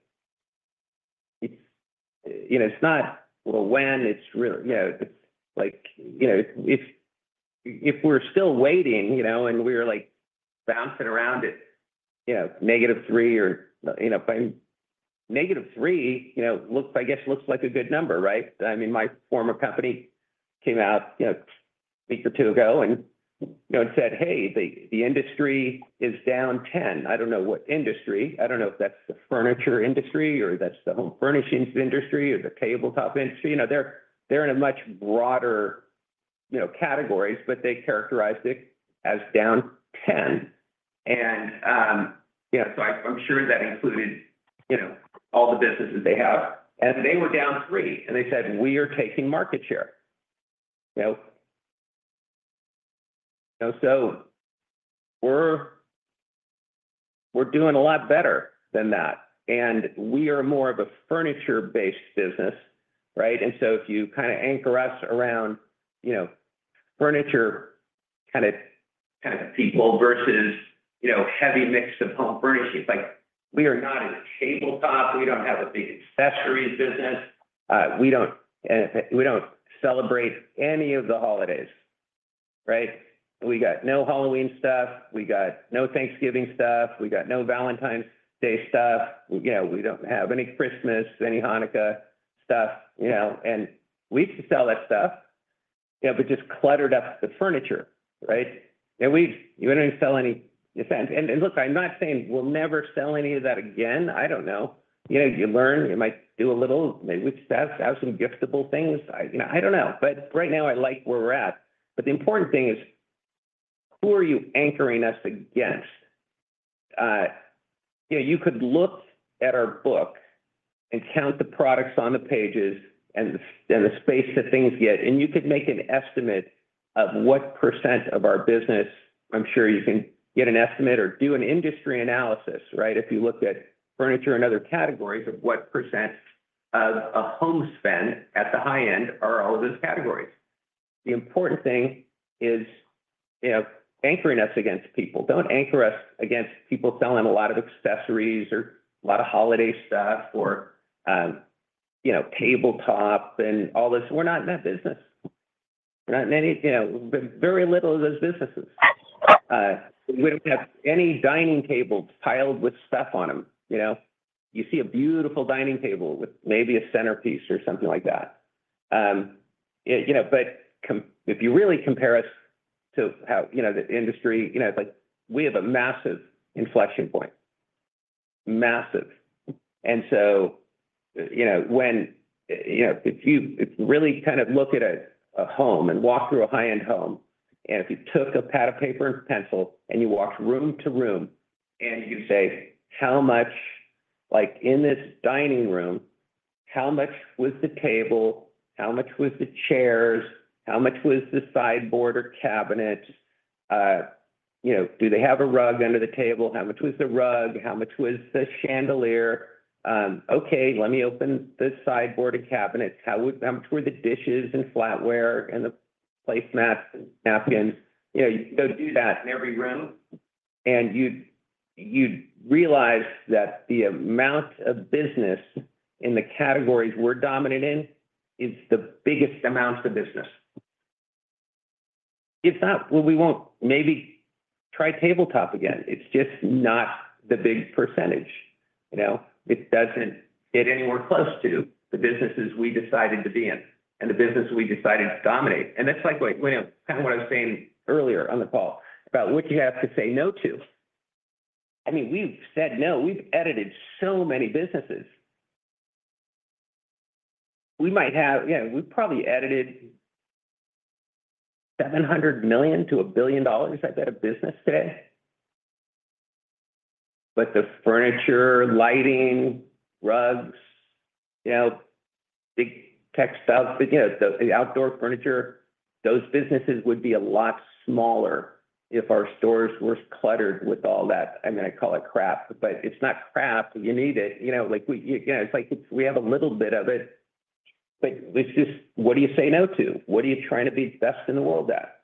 if we're still waiting, you know, and we're like bouncing around at -3% or, you know, fine -3%, you know, looks like a good number, right? I mean, my former company came out a week or two ago and said, "Hey, the industry is down 10%." I don't know what industry. I don't know if that's the furniture industry or that's the home furnishings industry or the tabletop industry. You know, they're in a much broader category, but they characterized it as down 10%. And, you know, so I'm sure that included all the businesses they have. They were down three, and they said, "We are taking market share." You know, so we're doing a lot better than that, and we are more of a furniture-based business, right? And so if you kind of anchor us around, you know, furniture kind of people versus, you know, heavy mix of home furnishings, like, we are not in a tabletop. We don't have a big accessories business. We don't celebrate any of the holidays, right? We got no Halloween stuff. We got no Thanksgiving stuff. We got no Valentine's Day stuff. You know, we don't have any Christmas, any Hanukkah stuff, you know, and we used to sell that stuff. You know, it just cluttered up the furniture, right? And we don't even sell any décor. And look, I'm not saying we'll never sell any of that again. I don't know. You know, you learn, you might do a little, maybe we have some giftable things. I, you know, I don't know, but right now I like where we're at. But the important thing is, who are you anchoring us against? You know, you could look at our book and count the products on the pages and the space that things get, and you could make an estimate of what percent of our business. I'm sure you can get an estimate or do an industry analysis, right? If you looked at furniture and other categories, of what percent of a home spend at the high end are all of those categories. The important thing is, you know, anchoring us against people. Don't anchor us against people selling a lot of accessories or a lot of holiday stuff or, you know, tabletop and all this. We're not in that business. We're not in any, you know, very little of those businesses. We don't have any dining tables piled with stuff on them. You know, you see a beautiful dining table with maybe a centerpiece or something like that. You know, but if you really compare us to how, you know, the industry, you know, it's like we have a massive inflection point. Massive. And so, you know, if you really kind of look at a home and walk through a high-end home, and if you took a pad of paper and pencil and you walked room to room and you say, "How much, like, in this dining room, how much was the table? How much was the chairs? How much was the sideboard or cabinet? You know, do they have a rug under the table? How much was the rug? How much was the chandelier? Okay, let me open this sideboard or cabinets. How much were the dishes and flatware and the placemats and napkins?" You know, you go do that in every room... and you'd realize that the amount of business in the categories we're dominant in is the biggest amounts of business. It's not, well, we won't maybe try tabletop again. It's just not the big percentage, you know? It doesn't get anywhere close to the businesses we decided to be in and the business we decided to dominate. And that's like, you know, kind of what I was saying earlier on the call about what you have to say no to. I mean, we've said no. We've edited so many businesses. We might have, you know, we've probably edited $700 million-$1 billion out of business today. But the furniture, lighting, rugs, you know, big textiles, but, you know, the outdoor furniture, those businesses would be a lot smaller if our stores were cluttered with all that. I mean, I call it crap, but it's not crap, you need it. You know, like, we, you know, it's like we have a little bit of it, but it's just what do you say no to? What are you trying to be best in the world at?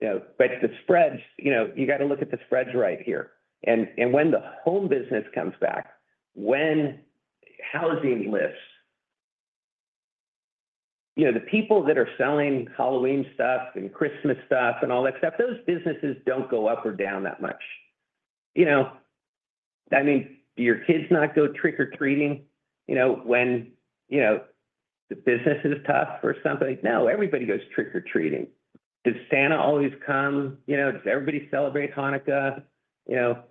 You know, but the spreads, you know, you got to look at the spreads right here. And when the home business comes back, when housing lifts, you know, the people that are selling Halloween stuff and Christmas stuff and all that stuff, those businesses don't go up or down that much. You know, I mean, do your kids not go trick-or-treating? You know, when, you know, the business is tough for somebody. No, everybody goes trick-or-treating. Does Santa always come? You know, does everybody celebrate Hanukkah? You know,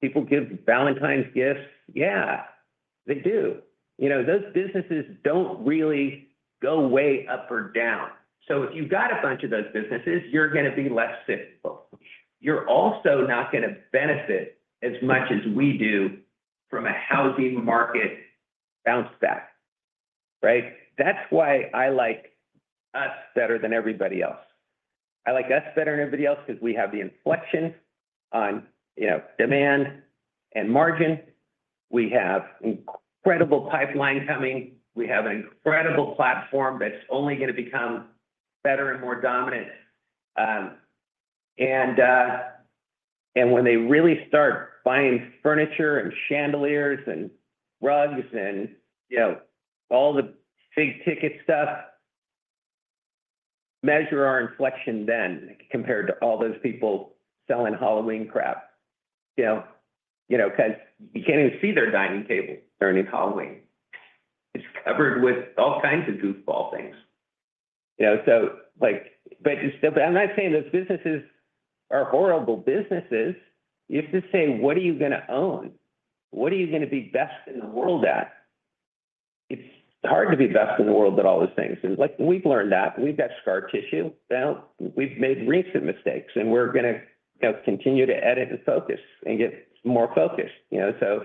people give Valentine's gifts. Yeah, they do. You know, those businesses don't really go way up or down. So if you've got a bunch of those businesses, you're gonna be less cyclical. You're also not gonna benefit as much as we do from a housing market bounce back, right? That's why I like us better than everybody else. I like us better than everybody else because we have the inflection on, you know, demand and margin. We have incredible pipeline coming. We have an incredible platform that's only gonna become better and more dominant. And when they really start buying furniture, and chandeliers, and rugs, and, you know, all the big-ticket stuff, measure our inflection then, compared to all those people selling Halloween crap. You know, 'cause you can't even see their dining table during Halloween. It's covered with all kinds of goofball things. You know, so, like, but it's still. But I'm not saying those businesses are horrible businesses. It's just saying, what are you gonna own? What are you gonna be best in the world at? It's hard to be best in the world at all those things. And, like, we've learned that, we've got scar tissue now. We've made recent mistakes, and we're gonna continue to edit and focus and get more focused, you know.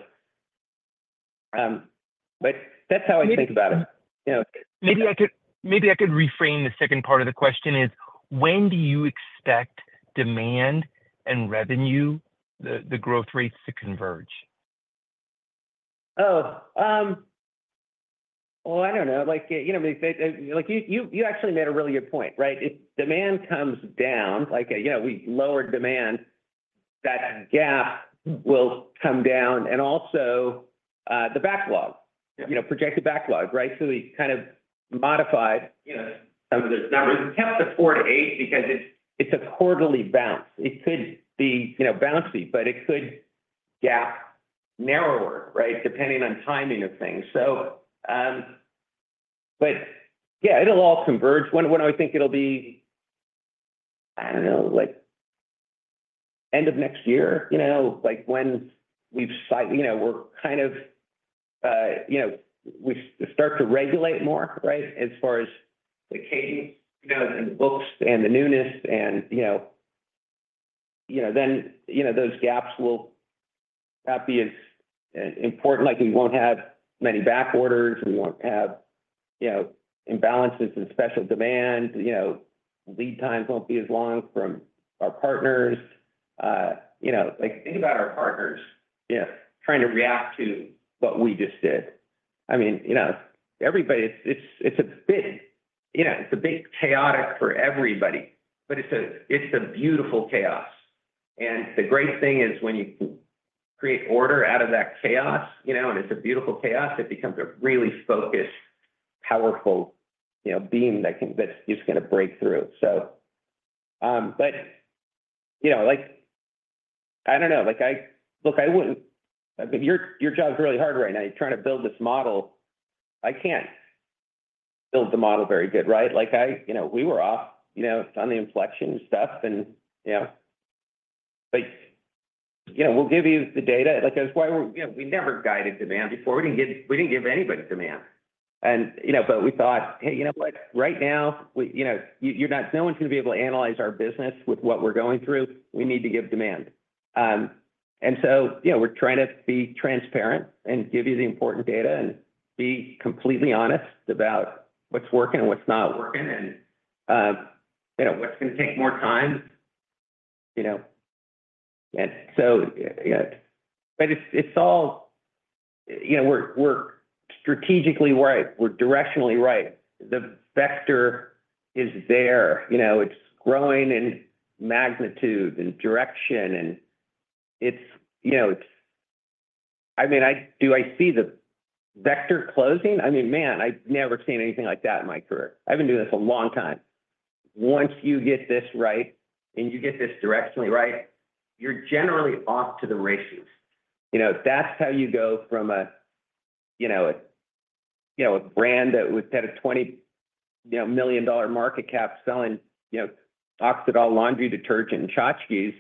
But that's how I think about them, you know. Maybe I could reframe the second part of the question is: when do you expect demand and revenue, the growth rates to converge? Oh, well, I don't know. Like, you know, you actually made a really good point, right? If demand comes down, like, you know, we lower demand, that gap will come down and also, the backlog- Yeah. You know, projected backlog, right? So we kind of modified, you know, some of those numbers. We kept the four to eight because it's a quarterly bounce. It could be, you know, bouncy, but it could gap narrower, right, depending on timing of things. So, but, yeah, it'll all converge. When do I think it'll be? I don't know, like, end of next year, you know, like, when we've slightly... You know, we're kind of, you know, we start to regulate more, right, as far as the cadence, you know, and the books and the newness and, you know, then, you know, those gaps will not be as important. Like, we won't have many back orders, we won't have, you know, imbalances in special demand. You know, lead times won't be as long from our partners. You know, like, think about our partners, you know, trying to react to what we just did. I mean, you know, everybody, it's, it's a big... You know, it's a big chaotic for everybody, but it's a, it's a beautiful chaos. And the great thing is when you create order out of that chaos, you know, and it's a beautiful chaos, it becomes a really focused, powerful, you know, beam that can, that's just gonna break through. So, but, you know, like, I don't know. Like, I- look, I wouldn't-- Your, your job's really hard right now. You're trying to build this model. I can't build the model very good, right? Like, I, you know, we were off, you know, on the inflection stuff, and, you know, but, you know, we'll give you the data. Like, that's why, you know, we never guided demand before. We didn't give, we didn't give anybody demand. And, you know, but we thought, hey, you know what? Right now, we, you know, you're not- no one's gonna be able to analyze our business with what we're going through. We need to give demand. And so, you know, we're trying to be transparent and give you the important data and be completely honest about what's working and what's not working, and, you know, what's gonna take more time, you know. And so, yeah. But it's all... You know, we're, we're strategically right, we're directionally right. The vector is there, you know, it's growing in magnitude and direction, and it's, you know, it's. I mean, I do I see the vector closing? I mean, man, I've never seen anything like that in my career. I've been doing this a long time. Once you get this right, and you get this directionally right, you're generally off to the races. You know, that's how you go from a brand that was at a $20 million market cap selling Oxydol laundry detergent and tchotchkes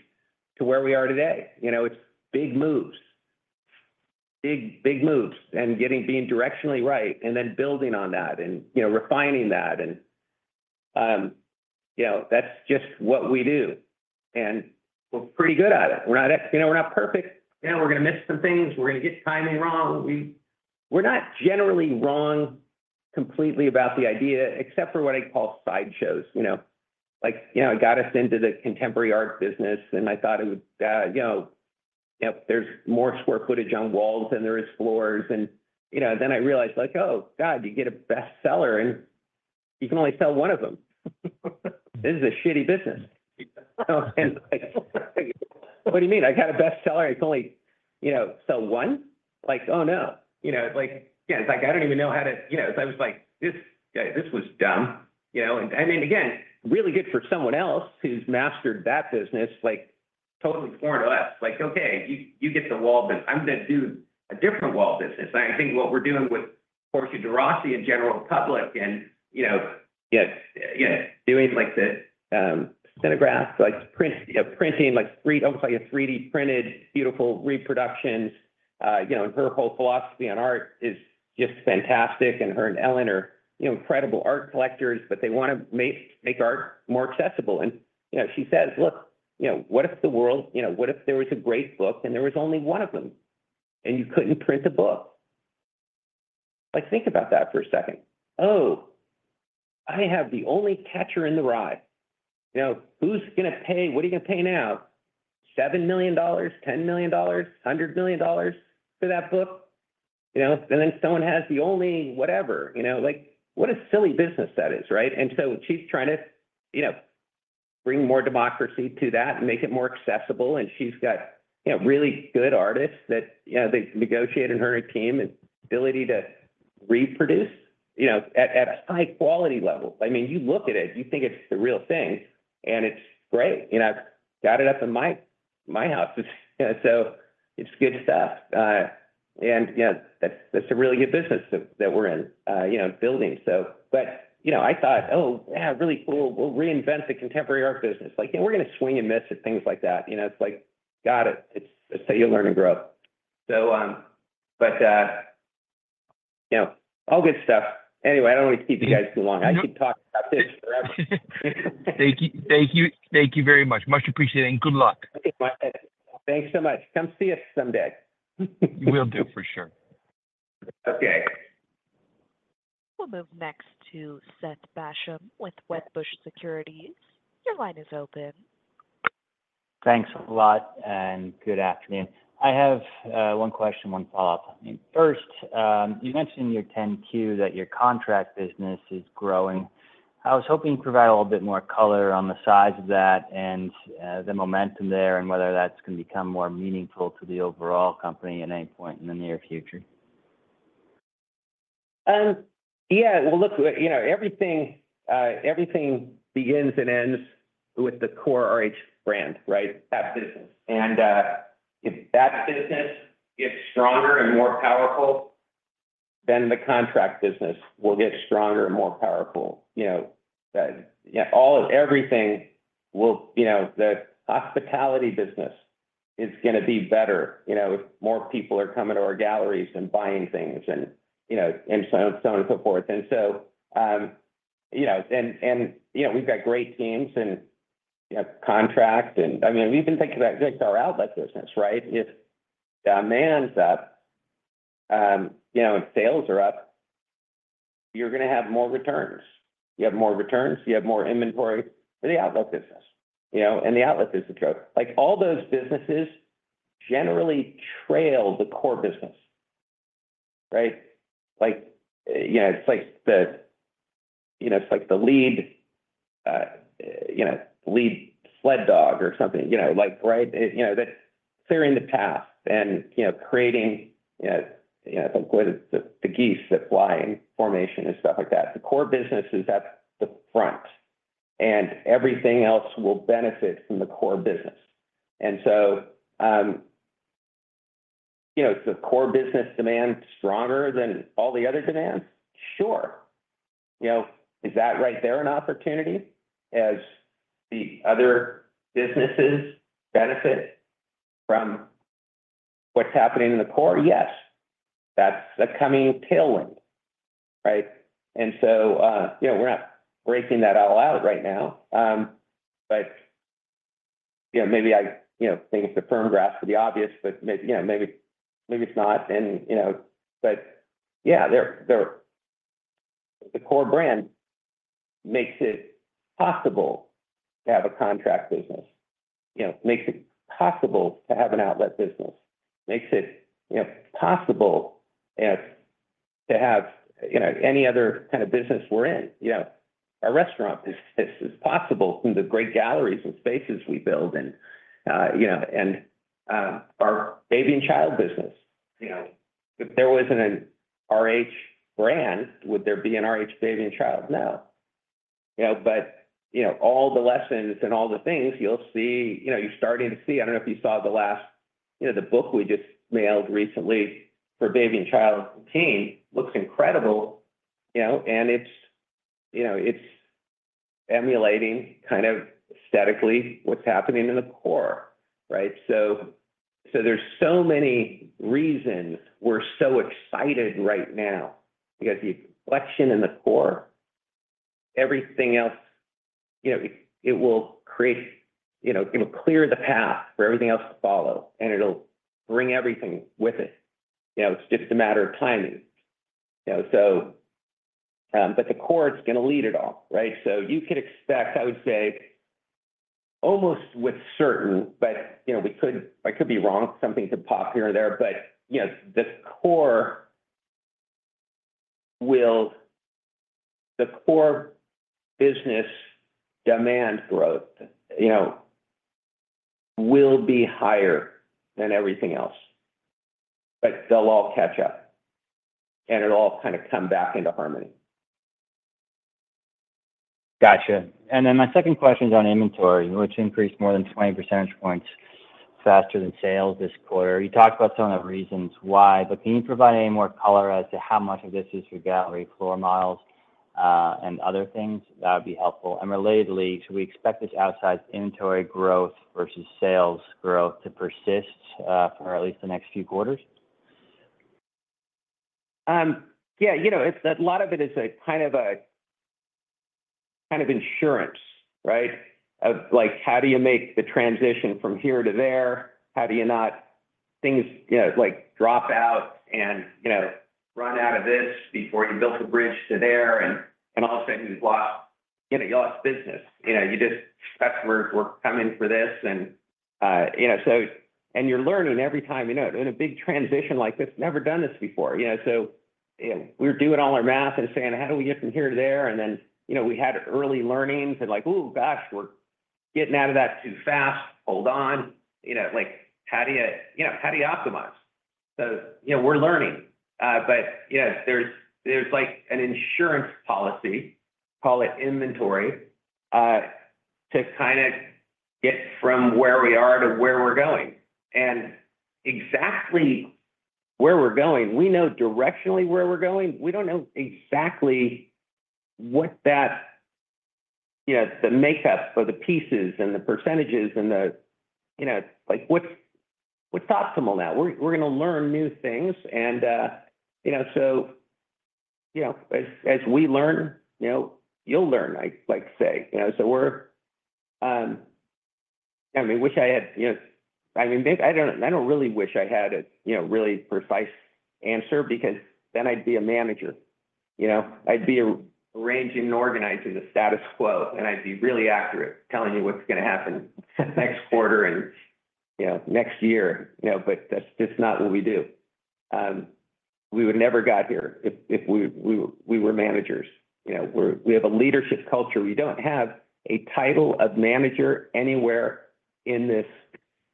to where we are today. You know, it's big moves. Big, big moves, and getting, being directionally right, and then building on that and, you know, refining that, and, you know, that's just what we do, and we're pretty good at it. We're not, you know, we're not perfect. You know, we're gonna miss some things, we're gonna get timing wrong. We're not generally wrong completely about the idea, except for what I call sideshows. You know, like, you know, it got us into the contemporary art business, and I thought it would, you know, yep, there's more square footage on walls than there is floors. And, you know, then I realized, like, oh, God, you get a best seller, and you can only sell one of them. This is a shitty business. What do you mean? I got a best seller, I can only, you know, sell one? Like, oh, no. You know, it's like, yeah, it's like I don't even know how to... You know, so I was like, this, this was dumb, you know? And, I mean, again, really good for someone else who's mastered that business, like, totally more or less. Like, okay, you, you get the wall business. I'm gonna do a different wall business. I think what we're doing with Portia de Rossi in General Public and, you know, yeah, yeah, doing like the, Synograph, like printing, like almost like a 3D printed, beautiful reproductions. You know, and her whole philosophy on art is just fantastic, and her and Ellen are, you know, incredible art collectors, but they wanna make art more accessible. And, you know, she says, "Look, you know, what if the world, you know, what if there was a great book and there was only one of them, and you couldn't print the book?" Like, think about that for a second. Oh, I have the only Catcher in the Rye. You know, who's gonna pay? What are you gonna pay now? $7 million, $10 million, $100 million for that book? You know, and then someone has the only whatever, you know. Like, what a silly business that is, right? And so she's trying to, you know, bring more democracy to that and make it more accessible, and she's got, you know, really good artists that, you know, they've negotiated, her and team, an ability to reproduce, you know, at, at a high quality level. I mean, you look at it, you think it's the real thing, and it's great. You know, I've got it up in my, my house. So it's good stuff. And, you know, that's, that's a really good business that, that we're in, you know, building. But, you know, I thought, oh, yeah, really cool, we'll reinvent the contemporary art business. Like, we're gonna swing and miss at things like that. You know, it's like, got it, it's- so you learn and grow. But, you know, all good stuff. Anyway, I don't want to keep you guys too long. I could talk about this forever. Thank you. Thank you very much. Much appreciated, and good luck. Thanks so much. Come see us someday. Will do, for sure. Okay. We'll move next to Seth Basham with Wedbush Securities. Your line is open. Thanks a lot, and good afternoon. I have one question, one follow-up. First, you mentioned in your 10-Q that your contract business is growing. I was hoping you'd provide a little bit more color on the size of that and the momentum there, and whether that's going to become more meaningful to the overall company at any point in the near future. Yeah, well, look, you know, everything begins and ends with the core RH brand, right? That business. And, if that business gets stronger and more powerful, then the contract business will get stronger and more powerful. You know, yeah, everything will... You know, the hospitality business is gonna be better, you know, if more people are coming to our galleries and buying things and, you know, and so on, so forth. And so, you know, and, and, you know, we've got great teams and, you know, contracts, and, I mean, we even think about our outlet business, right? If demand's up, you know, and sales are up, you're gonna have more returns. You have more returns, you have more inventory for the outlet business, you know, and the outlet business grow. Like, all those businesses generally trail the core business, right? Like, you know, it's like the, you know, it's like the lead, you know, lead sled dog or something, you know, like, right? You know, that clearing the path and, you know, creating, you know, you know, the, the geese that fly in formation and stuff like that. The core business is at the front, and everything else will benefit from the core business. And so, you know, is the core business demand stronger than all the other demands? Sure. You know, is that right there an opportunity as the other businesses benefit from what's happening in the core? Yes. That's a coming tailwind, right? And so, you know, we're not breaking that all out right now. You know, maybe I think it's a firm grasp on the obvious, but maybe it's not and, you know, but yeah, there. The core brand makes it possible to have a contract business, you know, makes it possible to have an outlet business, makes it, you know, possible to have, you know, any other kind of business we're in. You know, our restaurant is possible through the great galleries and spaces we build and, you know, our baby and child business. You know, if there wasn't an RH brand, would there be an RH Baby & Child? No. You know, but, you know, all the lessons and all the things you'll see, you know, you're starting to see. I don't know if you saw the last, you know, the book we just mailed recently for Baby & Child and Teen. It looks incredible, you know, and it's, you know, it's emulating kind of aesthetically what's happening in the core, right? So, so there's so many reasons we're so excited right now, because the collection and the core, everything else, you know, it, it will create, you know, it'll clear the path for everything else to follow, and it'll bring everything with it. You know, it's just a matter of timing. You know, so, but the core is gonna lead it all, right? So you could expect, I would say, almost with certainty, but, you know, I could be wrong, something could pop here or there, but, you know, the core will... the core business demand growth, you know, will be higher than everything else, but they'll all catch up, and it'll all kind of come back into harmony. Got you. And then my second question is on inventory, which increased more than 20 percentage points faster than sales this quarter. You talked about some of the reasons why, but can you provide any more color as to how much of this is your gallery floor models, and other things? That would be helpful. And relatedly, should we expect this outsized inventory growth versus sales growth to persist, for at least the next few quarters? Yeah, you know, it's a lot of it is a kind of insurance, right? Of like, how do you make the transition from here to there? How do you not things, you know, like, drop out and, you know, run out of this before you built a bridge to there, and all of a sudden you've lost, you know, you lost business. You know, you just, that's where we're coming for this. And, you know, so, and you're learning every time, you know, in a big transition like this, never done this before, you know? So, you know, we're doing all our math and saying, "How do we get from here to there?" And then, you know, we had early learnings and like, "Ooh, gosh, we're getting out of that too fast. Hold on." You know, like, how do you, you know, how do you optimize? So, you know, we're learning. But, you know, there's like an insurance policy, call it inventory, to kind of get from where we are to where we're going. And exactly where we're going, we know directionally where we're going. We don't know exactly what that, you know, the makeup or the pieces and the percentages and the, you know, like, what's optimal now? We're gonna learn new things, and, you know, so, you know, as we learn, you know, you'll learn, like say. You know, so we're... I mean, wish I had, you know, I mean, maybe I don't, I don't really wish I had a, you know, really precise answer, because then I'd be a manager. You know, I'd be arranging and organizing the status quo, and I'd be really accurate telling you what's gonna happen next quarter and, you know, next year, you know, but that's just not what we do. We would never got here if we were managers. You know, we're, we have a leadership culture. We don't have a title of manager anywhere in this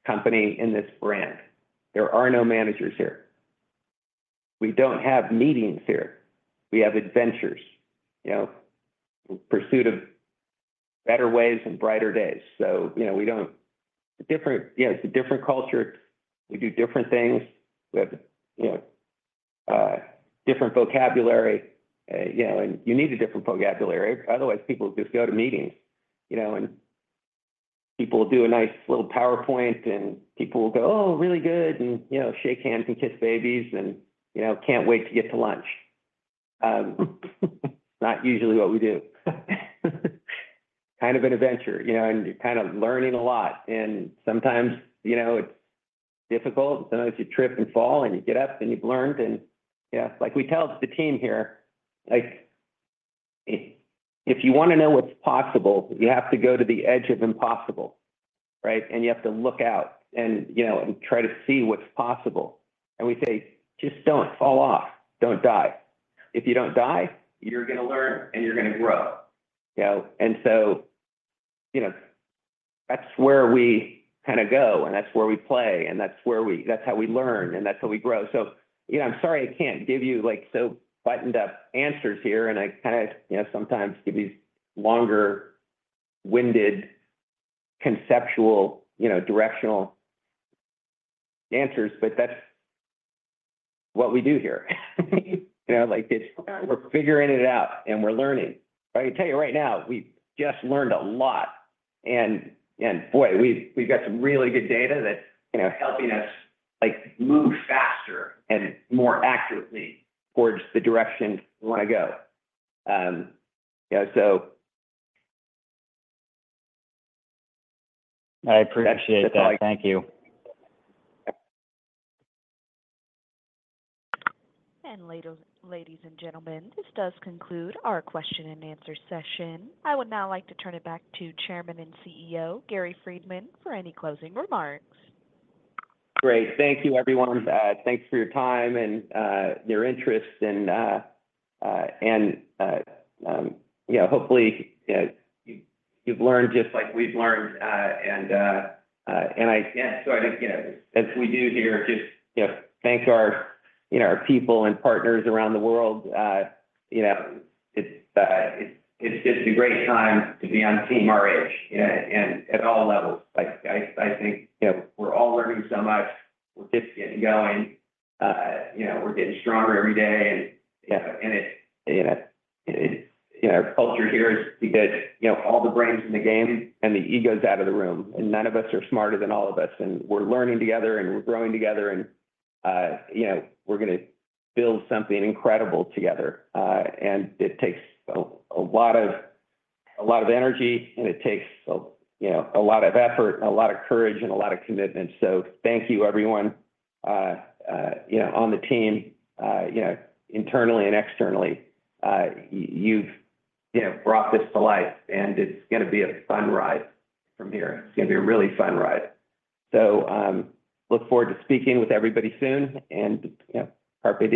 company, in this brand. There are no managers here. We don't have meetings here. We have adventures, you know, pursuit of better ways and brighter days. So, you know, different, you know, it's a different culture, we do different things. We have, you know, different vocabulary, you know, and you need a different vocabulary, otherwise, people will just go to meetings, you know, and people will do a nice little PowerPoint, and people will go, "Oh, really good," and, you know, shake hands and kiss babies, and, you know, can't wait to get to lunch. Not usually what we do. Kind of an adventure, you know, and you're kind of learning a lot, and sometimes, you know, it's difficult, sometimes you trip and fall, and you get up, and you've learned. And, yeah, like we tell the team here, like, if you want to know what's possible, you have to go to the edge of impossible, right? And you have to look out and, you know, try to see what's possible. And we say, "Just don't fall off. Don't die. If you don't die, you're gonna learn, and you're gonna grow." You know, and so, you know, that's where we kind of go, and that's where we play, and that's how we learn, and that's how we grow. You know, I'm sorry I can't give you, like, so buttoned-up answers here, and I kind of, you know, sometimes give these longer-winded, conceptual, you know, directional answers, but that's what we do here. You know, like, it's, we're figuring it out, and we're learning. I can tell you right now, we've just learned a lot, and boy, we've got some really good data that, you know, helping us, like, move faster and more accurately towards the direction we want to go. You know, so- I appreciate that. Thank you. Ladies, ladies and gentlemen, this does conclude our question and answer session. I would now like to turn it back to Chairman and CEO, Gary Friedman, for any closing remarks. Great. Thank you, everyone. Thanks for your time and your interest, and you know, hopefully, you've learned just like we've learned, and I, yeah, so I just, you know, as we do here, just, you know, thank our, you know, our people and partners around the world, you know, it's, it's just a great time to be on team RH, and at all levels. I think, you know, we're all learning so much, we're just getting going, you know, we're getting stronger every day, and, you know, our culture here is because, you know, all the brains in the game and the egos out of the room, and none of us are smarter than all of us, and we're learning together, and we're growing together, and, you know, we're gonna build something incredible together. And it takes a lot of energy, and it takes, you know, a lot of effort, a lot of courage, and a lot of commitment. So thank you, everyone, you know, on the team, you know, internally and externally, you've, you know, brought this to life, and it's gonna be a fun ride from here. It's gonna be a really fun ride. So, look forward to speaking with everybody soon, and, you know, heart-